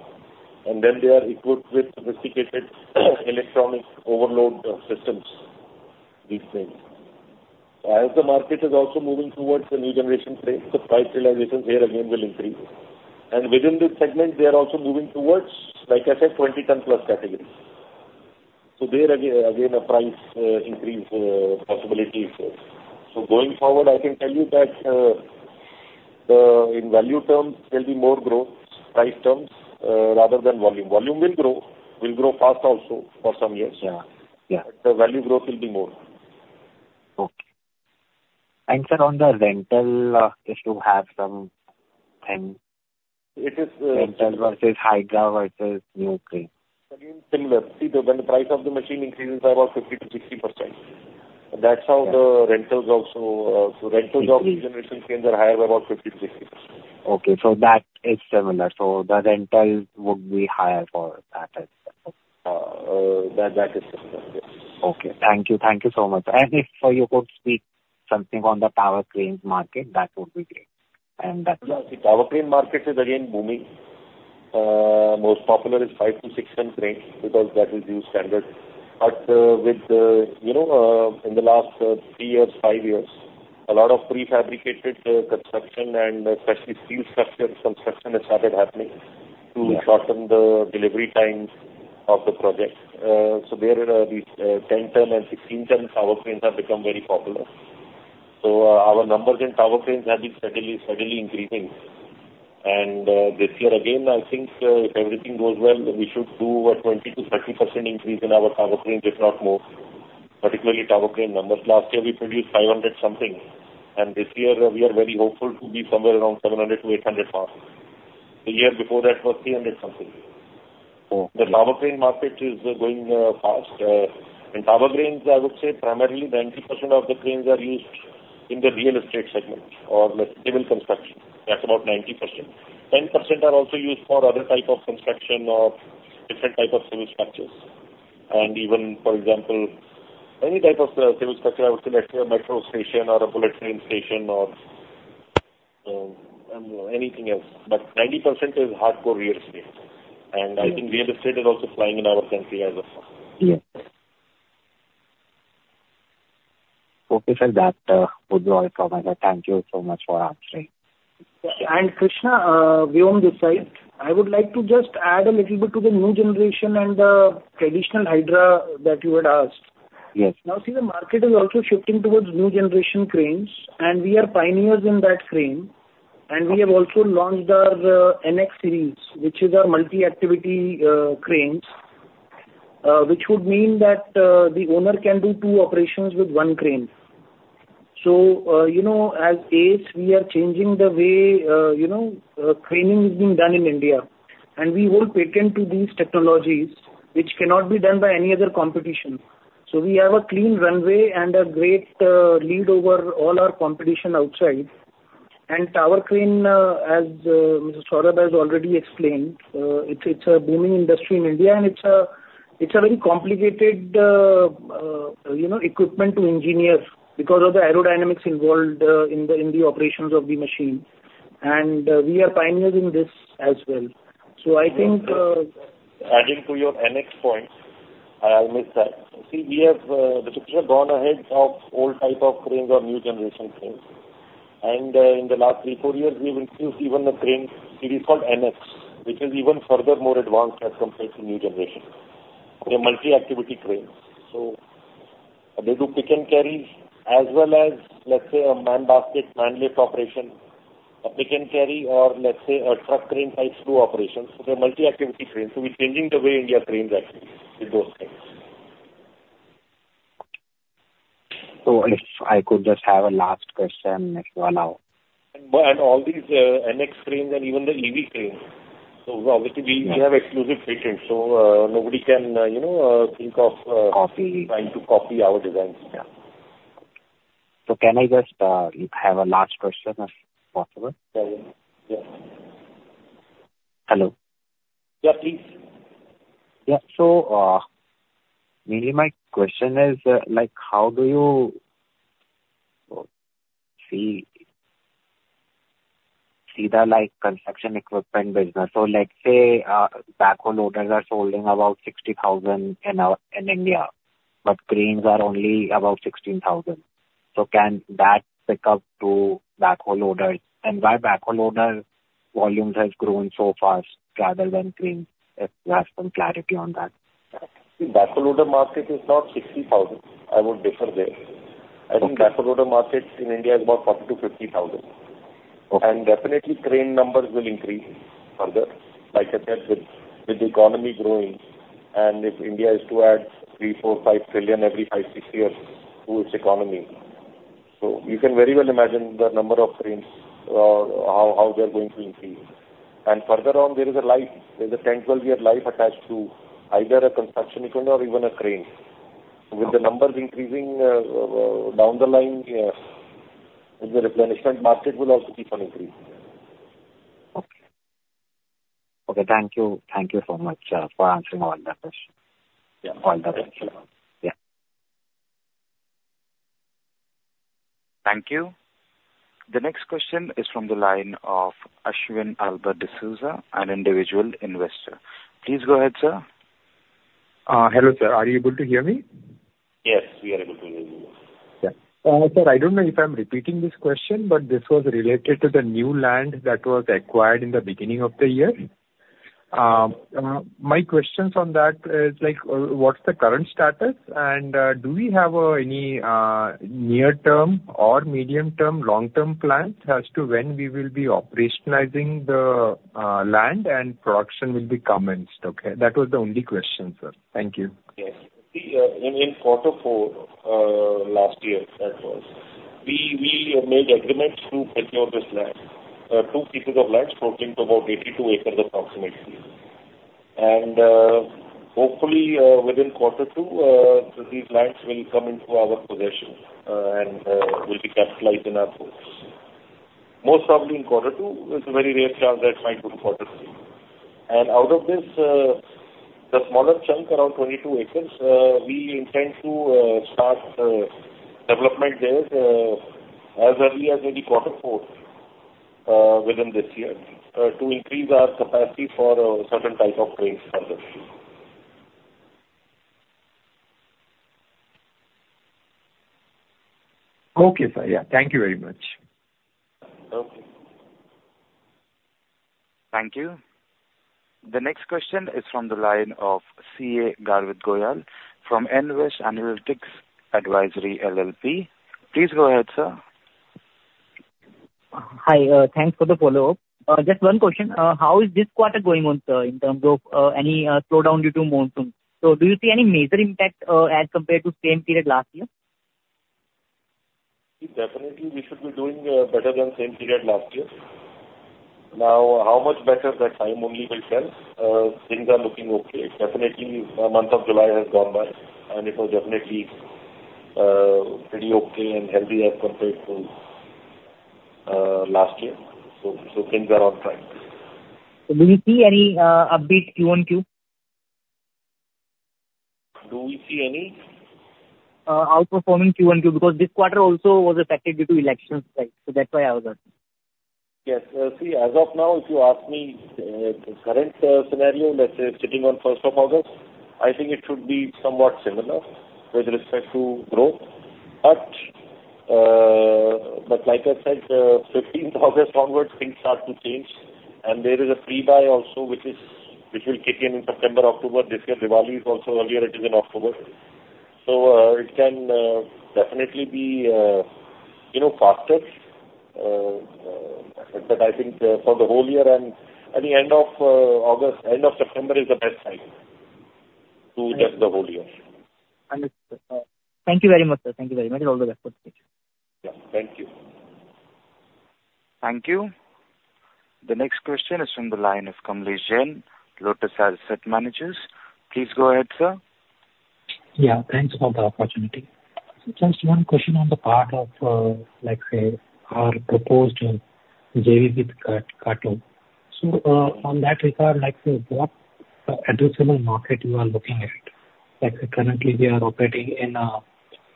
S3: And then they are equipped with sophisticated electronic overload systems, these things. As the market is also moving towards the new generation crane, the price realization there again will increase. Within this segment, they are also moving towards, like I said, 20-ton plus categories. So there again, a price increase possibility is there. So going forward, I can tell you that in value terms, there will be more growth, price terms, rather than volume. Volume will grow, will grow fast also for some years.
S10: Yeah. Yeah.
S3: The value growth will be more.
S10: Okay. Sir, on the rental, if you have some rental versus Hydra versus new crane.
S3: Again, similar. See, when the price of the machine increases by about 50%-60%, that's how the rentals also. So rentals of new generation cranes are higher by about 50%-60%.
S10: Okay. So that is similar. So the rentals would be higher for that as well.
S3: That is similar.
S10: Okay. Thank you. Thank you so much. And if you could speak something on the power crane market, that would be great. And that's.
S3: Yeah. The tower crane market is again booming. Most popular is 5- to 6-ton crane because that is used standard. But within the last three years, five years, a lot of prefabricated construction and especially steel structure construction has started happening to shorten the delivery time of the project. So there are these 10-ton and 16-ton tower cranes have become very popular. So our numbers in tower cranes have been steadily increasing. And this year, again, I think if everything goes well, we should do a 20%-30% increase in our tower cranes, if not more, particularly tower crane numbers. Last year, we produced 500 something. And this year, we are very hopeful to be somewhere around 700-800 fast. The year before that was 300 something. The tower crane market is going fast. In tower cranes, I would say primarily 90% of the cranes are used in the real estate segment or civil construction. That's about 90%. 10% are also used for other types of construction or different types of civil structures. And even, for example, any type of civil structure, I would say like a metro station or a bullet train station or anything else. But 90% is hardcore real estate. And I think real estate is also flying in our country as of now.
S10: Yes. Okay. Sir, that would be all from my side. Thank you so much for answering.
S6: And Krishna, beyond this side, I would like to just add a little bit to the new generation and the traditional Hydra that you had asked. Now, see, the market is also shifting towards new generation cranes. And we are pioneers in that crane. And we have also launched our NX series, which is our multi-activity cranes, which would mean that the owner can do two operations with one crane. So as ACE, we are changing the way craning is being done in India. And we hold patent to these technologies, which cannot be done by any other competition. So we have a clean runway and a great lead over all our competition outside. And tower crane, as Mr. Saurabh has already explained, it's a booming industry in India. And it's a very complicated equipment to engineer because of the aerodynamics involved in the operations of the machine. We are pioneers in this as well. So I think.
S3: Adding to your NX point, I'll miss that. See, the picture has gone ahead of old type of cranes or new generation cranes. And in the last 3-4 years, we have introduced even a crane series called NX, which is even further more advanced as compared to new generation. They're multi-activity cranes. So they do pick and carry as well as, let's say, a man basket, man lift operation, a pick and carry, or let's say a truck crane type through operations. So they're multi-activity cranes. So we're changing the way Indian cranes actually with those things.
S10: If I could just have a last question, if you allow.
S3: All these NX cranes and even the EV cranes, so obviously, we have exclusive patents. Nobody can think of trying to copy our designs.
S10: Yeah. So can I just have a last question if possible?
S3: Yeah. Yeah.
S10: Hello?
S3: Yeah, please.
S10: Yeah. So mainly, my question is, how do you see the construction equipment business? So let's say backhoe loaders are sold in about 60,000 in India, but cranes are only about 16,000. So can that pick up to backhoe loaders? And why backhoe loader volumes have grown so fast rather than cranes? If you have some clarity on that.
S3: Backhoe loader market is not 60,000. I would differ there. I think backhoe loader market in India is about 40,000-50,000. And definitely, crane numbers will increase further, like I said, with the economy growing. And if India is to add 3-5 trillion every 5-6 years to its economy, so you can very well imagine the number of cranes or Hydra they're going to increase. And further on, there is a 10-12-year life attached to either a construction equipment or even a crane. With the numbers increasing down the line, the replenishment market will also keep on increasing.
S10: Okay. Okay. Thank you. Thank you so much for answering all the questions.
S3: Yeah. Thank you.
S1: Thank you. The next question is from the line of Ashwin Albert D'Souza, an individual investor. Please go ahead, sir.
S15: Hello, sir. Are you able to hear me?
S3: Yes. We are able to hear you.
S15: Yeah. Sir, I don't know if I'm repeating this question, but this was related to the new land that was acquired in the beginning of the year. My questions on that is, what's the current status? And do we have any near-term or medium-term, long-term plans as to when we will be operationalizing the land and production will be commenced? Okay. That was the only question, sir. Thank you.
S3: Yes. See, in quarter four last year, that was, we made agreements to acquire this land, 2 pieces of land amounting to about 82 acres approximately. And hopefully, within quarter two, these lands will come into our possession and will be capitalized in our books. Most probably in quarter two, there's a very rare chance that it might go to quarter three. And out of this, the smaller chunk, around 22 acres, we intend to start development there as early as maybe quarter four within this year to increase our capacity for a certain type of cranes further.
S15: Okay, sir. Yeah. Thank you very much.
S3: Okay.
S1: Thank you. The next question is from the line of CA Garvit Goyal from Nvest Analytics Advisory LLP. Please go ahead, sir.
S4: Hi. Thanks for the follow-up. Just one question. How is this quarter going on, sir, in terms of any slowdown due to monsoon? So do you see any major impact as compared to same period last year?
S3: Definitely, we should be doing better than same period last year. Now, how much better that time only will tell. Things are looking okay. Definitely, the month of July has gone by, and it was definitely pretty okay and healthy as compared to last year. So things are on track.
S4: Do we see any update Q1 Q-on-Q?
S3: Do we see any?
S4: Outperforming Q1Q because this quarter also was affected due to elections, right? So that's why I was asking.
S3: Yes. See, as of now, if you ask me current scenario, let's say sitting on 1st of August, I think it should be somewhat similar with respect to growth. But like I said, 15th August onwards, things start to change. And there is a prebuy also, which will kick in in September, October. This year, Diwali is also earlier. It is in October. So it can definitely be faster. But I think for the whole year, and at the end of September is the best time to judge the whole year.
S4: Understood. Thank you very much, sir. Thank you very much. All the best for the future.
S3: Yeah. Thank you.
S1: Thank you. The next question is from the line of Kamlesh Jain, Lotus Asset Managers. Please go ahead, sir.
S16: Yeah. Thanks for the opportunity. So just one question on the part of, let's say, our proposed JV with Kato. So on that regard, what addressable market you are looking at? Currently, we are operating in.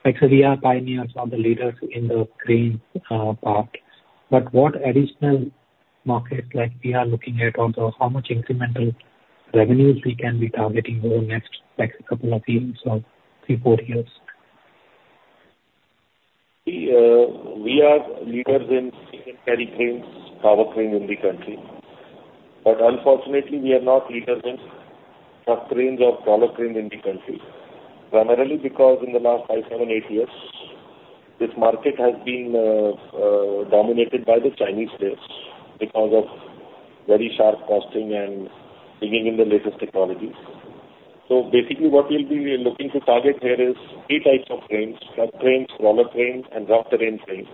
S16: We are pioneers or the leaders in the crane part. But what additional markets we are looking at, or how much incremental revenues we can be targeting over the next couple of years, or three, four years?
S3: See, we are leaders in pick and carry cranes, tower cranes in the country. But unfortunately, we are not leaders in truck cranes or tower cranes in the country, primarily because in the last five, seven, eight years, this market has been dominated by the Chinese players because of very sharp costing and bringing in the latest technologies. So basically, what we'll be looking to target here is three types of cranes: truck cranes, crawler cranes, and rough terrain cranes.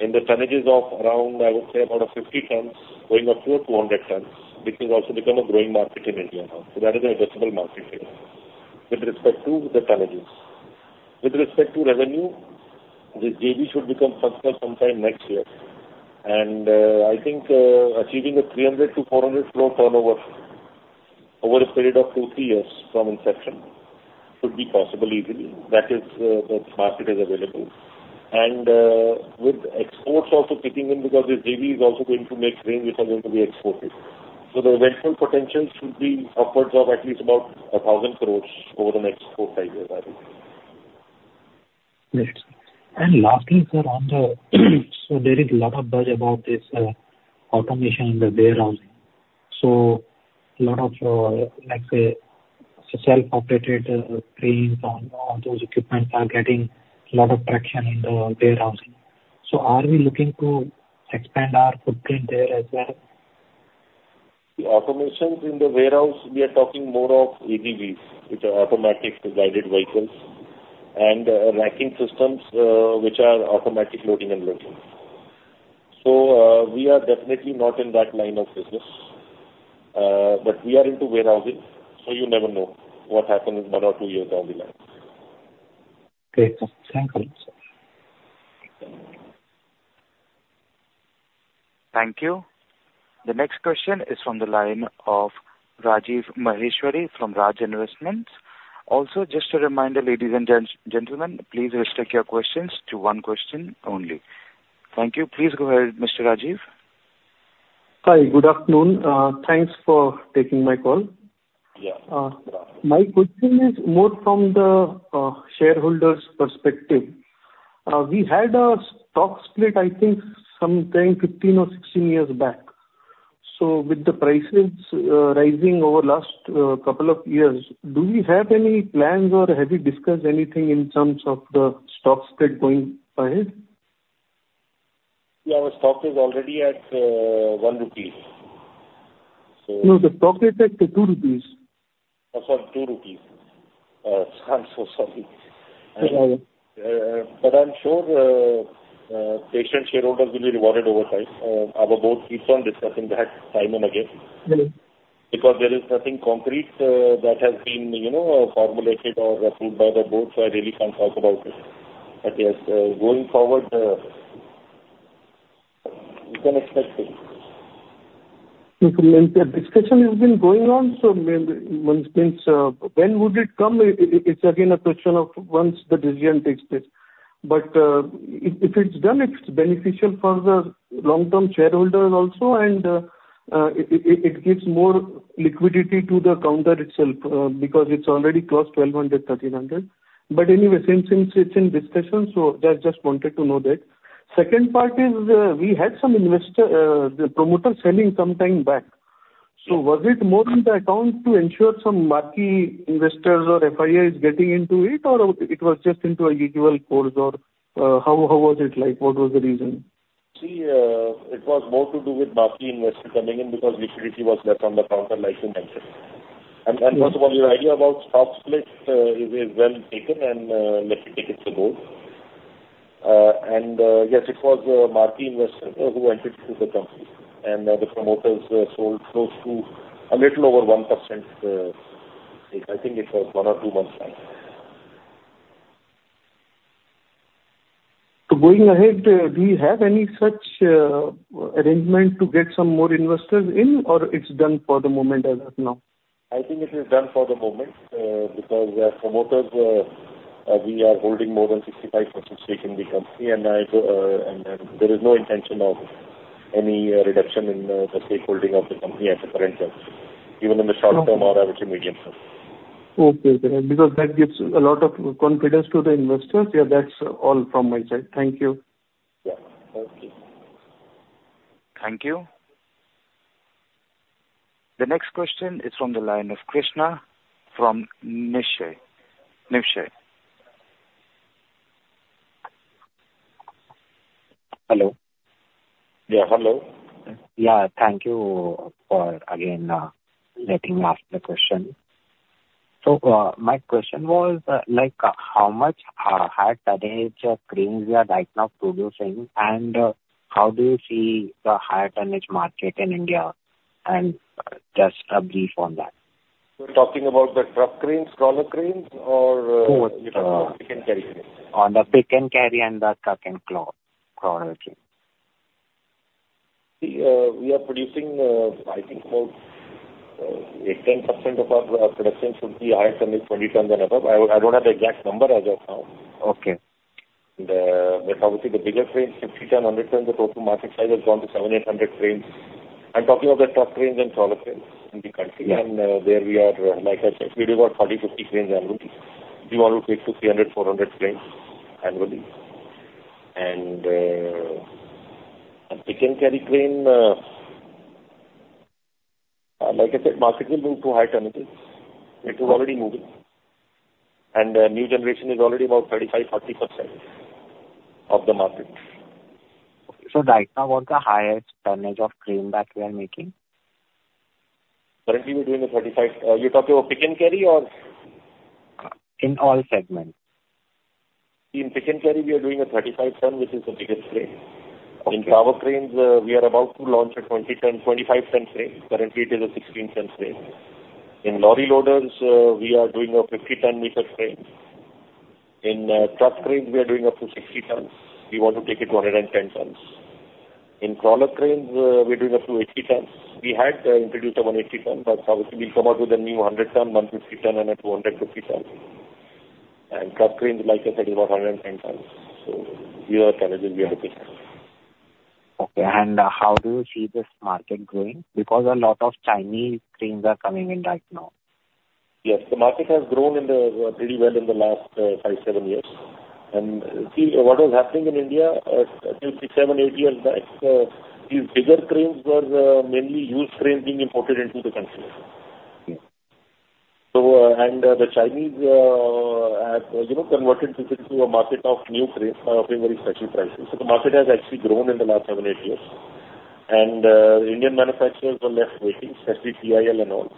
S3: In the tonnages of around, I would say, about 50 tons, going up to 200 tons, which has also become a growing market in India now. So that is an addressable market here with respect to the tonnages. With respect to revenue, the JV should become functional sometime next year. I think achieving 300 crore-400 crore turnover over a period of 2-3 years from inception should be possible easily. That is, the market is available. With exports also kicking in because the JV is also going to make cranes which are going to be exported. The eventual potential should be upwards of at least about 1,000 crores over the next 4-5 years, I think.
S16: Yes. And lastly, sir, on the, so there is a lot of buzz about this automation in the warehousing. So a lot of, let's say, self-operated cranes or those equipment are getting a lot of traction in the warehousing. So are we looking to expand our footprint there as well?
S3: The automations in the warehouse, we are talking more of AGVs, which are automatic guided vehicles, and racking systems, which are automatic loading and loading. So we are definitely not in that line of business. But we are into warehousing, so you never know what happens one or two years down the line.
S16: Great. Thank you, sir.
S1: Thank you. The next question is from the line of Rajiv Maheshwari from Raj Investments. Also, just a reminder, ladies and gentlemen, please restrict your questions to one question only. Thank you. Please go ahead, Mr. Rajiv.
S17: Hi. Good afternoon. Thanks for taking my call.
S3: Yeah. My question is more from the shareholders' perspective. We had a stock split, I think, sometime 15 or 16 years back. So with the prices rising over the last couple of years, do we have any plans or have you discussed anything in terms of the stock split going ahead? Yeah. Our stock is already at 1 rupees. So.
S17: No, the stock is at 2 rupees.
S3: Oh, sorry. 2 rupees. I'm so sorry. I'm sure patient shareholders will be rewarded over time. Our board keeps on discussing that time and again because there is nothing concrete that has been formulated or approved by the board, so I really can't talk about it. Yes, going forward, we can expect it.
S17: If the discussion has been going on, so when would it come? It's again a question of once the decision takes place. But if it's done, it's beneficial for the long-term shareholders also, and it gives more liquidity to the counter itself because it's already closed 1,200-1,300. But anyway, since it's in discussion, so I just wanted to know that. Second part is we had some promoters selling sometime back. So was it more in the account to ensure some marquee investors or FIIs getting into it, or it was just into a usual course? Or how was it like? What was the reason?
S3: See, it was more to do with marquee investors coming in because liquidity was left on the counter, like you mentioned. First of all, your idea about stock split is well taken, and let's take it to go. Yes, it was marquee investors who entered into the company, and the promoters sold close to a little over 1%. I think it was one or two months back.
S17: Going ahead, do you have any such arrangement to get some more investors in, or it's done for the moment as of now?
S3: I think it is done for the moment because as promoters, we are holding more than 65% stake in the company, and there is no intention of any reduction in the stakeholding of the company at the current level, even in the short-term or average to medium term.
S17: Okay. Because that gives a lot of confidence to the investors. Yeah, that's all from my side. Thank you.
S3: Yeah. Thank you.
S1: Thank you. The next question is from the line of Krishna from Niveshaay.
S10: Hello?
S3: Yeah. Hello.
S10: Yeah. Thank you for again letting me ask the question. So my question was how much higher tonnage cranes you are right now producing, and how do you see the higher tonnage market in India? And just a brief on that.
S3: You're talking about the truck cranes, crawler cranes, or pick and carry cranes?
S10: On the pick and carry and the truck and [crawler cranes].
S3: See, we are producing, I think, about 8%-10% of our production should be higher tonnage, 20 tons and above. I don't have the exact number as of now.
S10: Okay.
S3: But obviously, the biggest cranes, 60 ton, 100 ton, the total market size has gone to 7,800 cranes. I'm talking of the truck cranes and crawler cranes in the country. And there we are, like I said, we do about 40-50 cranes annually. We want to take to 300-400 cranes annually. And pick and carry cranes, like I said, market will move to higher tonnages. It is already moving. And new generation is already about 35%-40% of the market.
S10: So right now, what's the highest tonnage of crane that you are making?
S3: Currently, we're doing a 35. You're talking about pick and carry or?
S10: In all segments.
S3: In pick and carry, we are doing a 35-ton, which is the biggest crane. In tower cranes, we are about to launch a 20-ton, 25-ton crane. Currently, it is a 16-ton crane. In lorry loaders, we are doing a 50-ton-meter crane. In truck cranes, we are doing up to 60 tons. We want to take it to 110 tons. In roller cranes, we're doing up to 80 tons. We had introduced a 180-ton, but obviously, we'll come out with a new 100-ton, 150-ton, and a 250-ton. And truck cranes, like I said, is about 110 tons. So these are the tonnages we are looking at.
S10: Okay. How do you see this market growing? Because a lot of Chinese cranes are coming in right now.
S3: Yes. The market has grown pretty well in the last 5-7 years. And see, what was happening in India 7-8 years back, these bigger cranes were mainly used cranes being imported into the country. And the Chinese have converted this into a market of new cranes by offering very special prices. So the market has actually grown in the last 7-8 years. And Indian manufacturers were left waiting, especially TIL and all.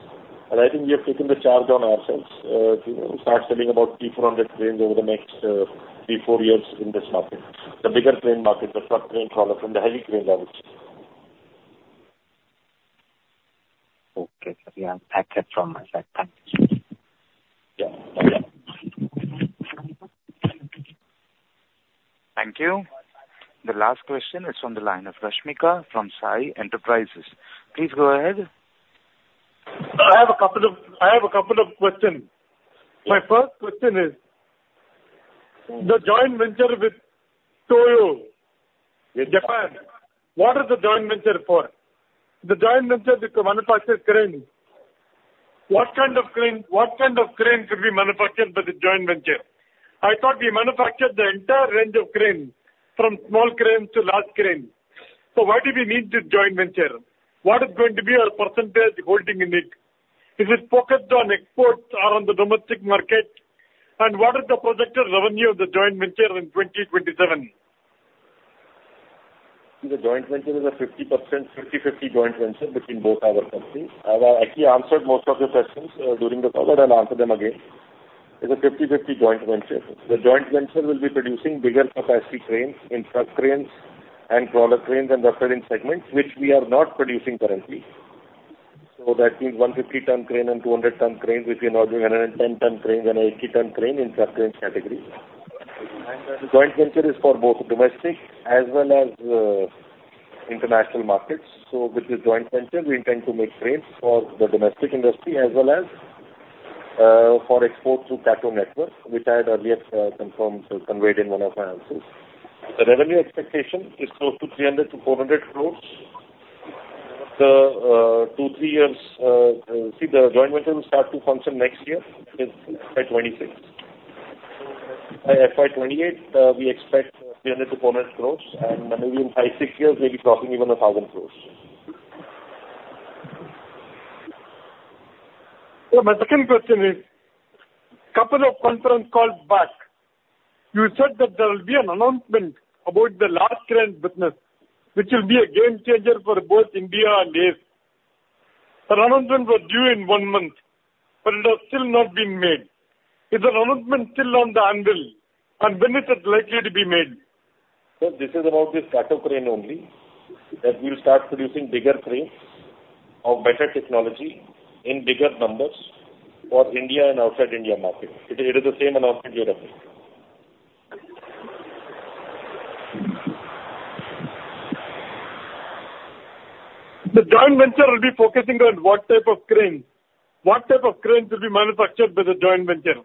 S3: And I think we have taken the charge on ourselves to start selling about 3,400 cranes over the next 3-4 years in this market, the bigger crane market, the truck crane, crawler crane, the heavy crane levels.
S10: Okay. Yeah. I kept from my side. Thank you.
S3: Yeah.
S1: Thank you. The last question is from the line of Rashmika from Sai Enterprises. Please go ahead.
S18: I have a couple of questions. My first question is, the joint venture with Kato in Japan, what is the joint venture for? The joint venture with the manufactured crane, what kind of crane could be manufactured by the joint venture? I thought we manufactured the entire range of crane from small crane to large crane. So why do we need the joint venture? What is going to be our percentage holding in it? Is it focused on exports or on the domestic market? And what is the projected revenue of the joint venture in 2027?
S3: The joint venture is a 50%, 50/50 joint venture between both our companies. I actually answered most of your questions during the call, and I'll answer them again. It's a 50/50 joint venture. The joint venture will be producing bigger capacity cranes in truck cranes and crawler cranes and rough terrain segments, which we are not producing currently. So that means 150-ton crane and 200-ton cranes, which we are now doing 110-ton cranes and 80-ton cranes in truck crane categories. The joint venture is for both domestic as well as international markets. So with the joint venture, we intend to make cranes for the domestic industry as well as for exports through Kato, which I had earlier confirmed, conveyed in one of my answers. The revenue expectation is close to 300-400 crores. The joint venture will start to function next year, by 2026. By 2028, we expect INR 300-400 crore, and maybe in five, six years, maybe crossing even INR 1,000 crore.
S18: Yeah. My second question is, a couple of conference calls back, you said that there will be an announcement about the large crane business, which will be a game changer for both India and ACE. The announcement was due in one month, but it has still not been made. Is the announcement still on the anvil, and when is it likely to be made?
S3: So this is about the Kato crane only, that we'll start producing bigger cranes of better technology in bigger numbers for India and outside India market. It is the same announcement you heard.
S18: The joint venture will be focusing on what type of crane? What type of cranes will be manufactured by the joint venture?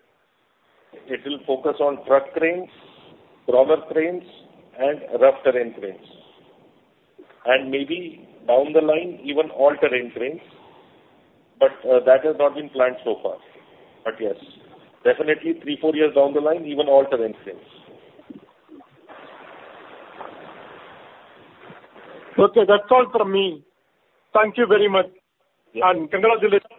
S3: It will focus on truck cranes, crawler cranes, and rough terrain cranes. And maybe down the line, even all terrain cranes. But that has not been planned so far. But yes, definitely 3-4 years down the line, even all terrain cranes.
S18: Okay. That's all from me. Thank you very much. And congratulations.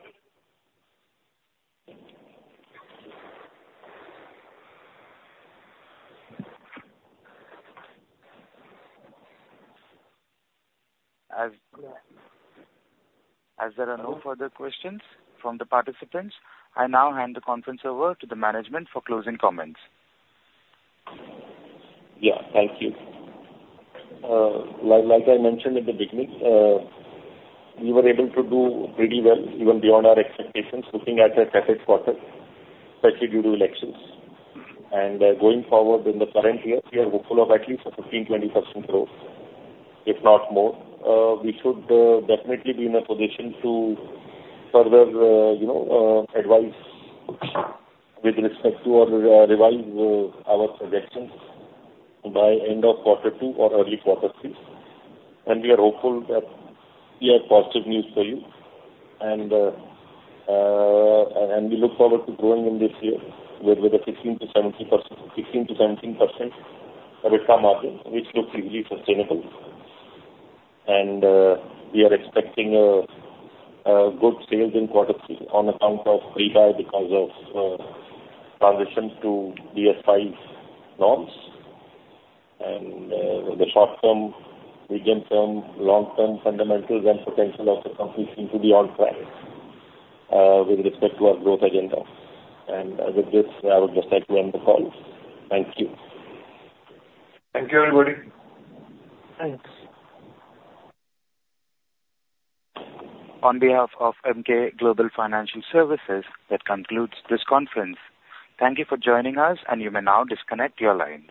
S1: As there are no further questions from the participants, I now hand the conference over to the management for closing comments.
S3: Yeah. Thank you. Like I mentioned in the beginning, we were able to do pretty well, even beyond our expectations, looking at the Q4 quarter, especially due to elections. Going forward in the current year, we are hopeful of at least a 15%-20% growth, if not more. We should definitely be in a position to further advise with respect to or revise our projections by end of quarter two or early quarter three. We are hopeful that we have positive news for you. We look forward to growing in this year with a 15%-17% return margin, which looks easily sustainable. We are expecting good sales in quarter three on account of rebuy because of transition to BS5 norms. The short-term, medium-term, long-term fundamentals and potential of the company seem to be on track with respect to our growth agenda. With this, I would just like to end the call. Thank you. Thank you, everybody.
S1: Thanks. On behalf of Emkay Global Financial Services, that concludes this conference. Thank you for joining us, and you may now disconnect your lines.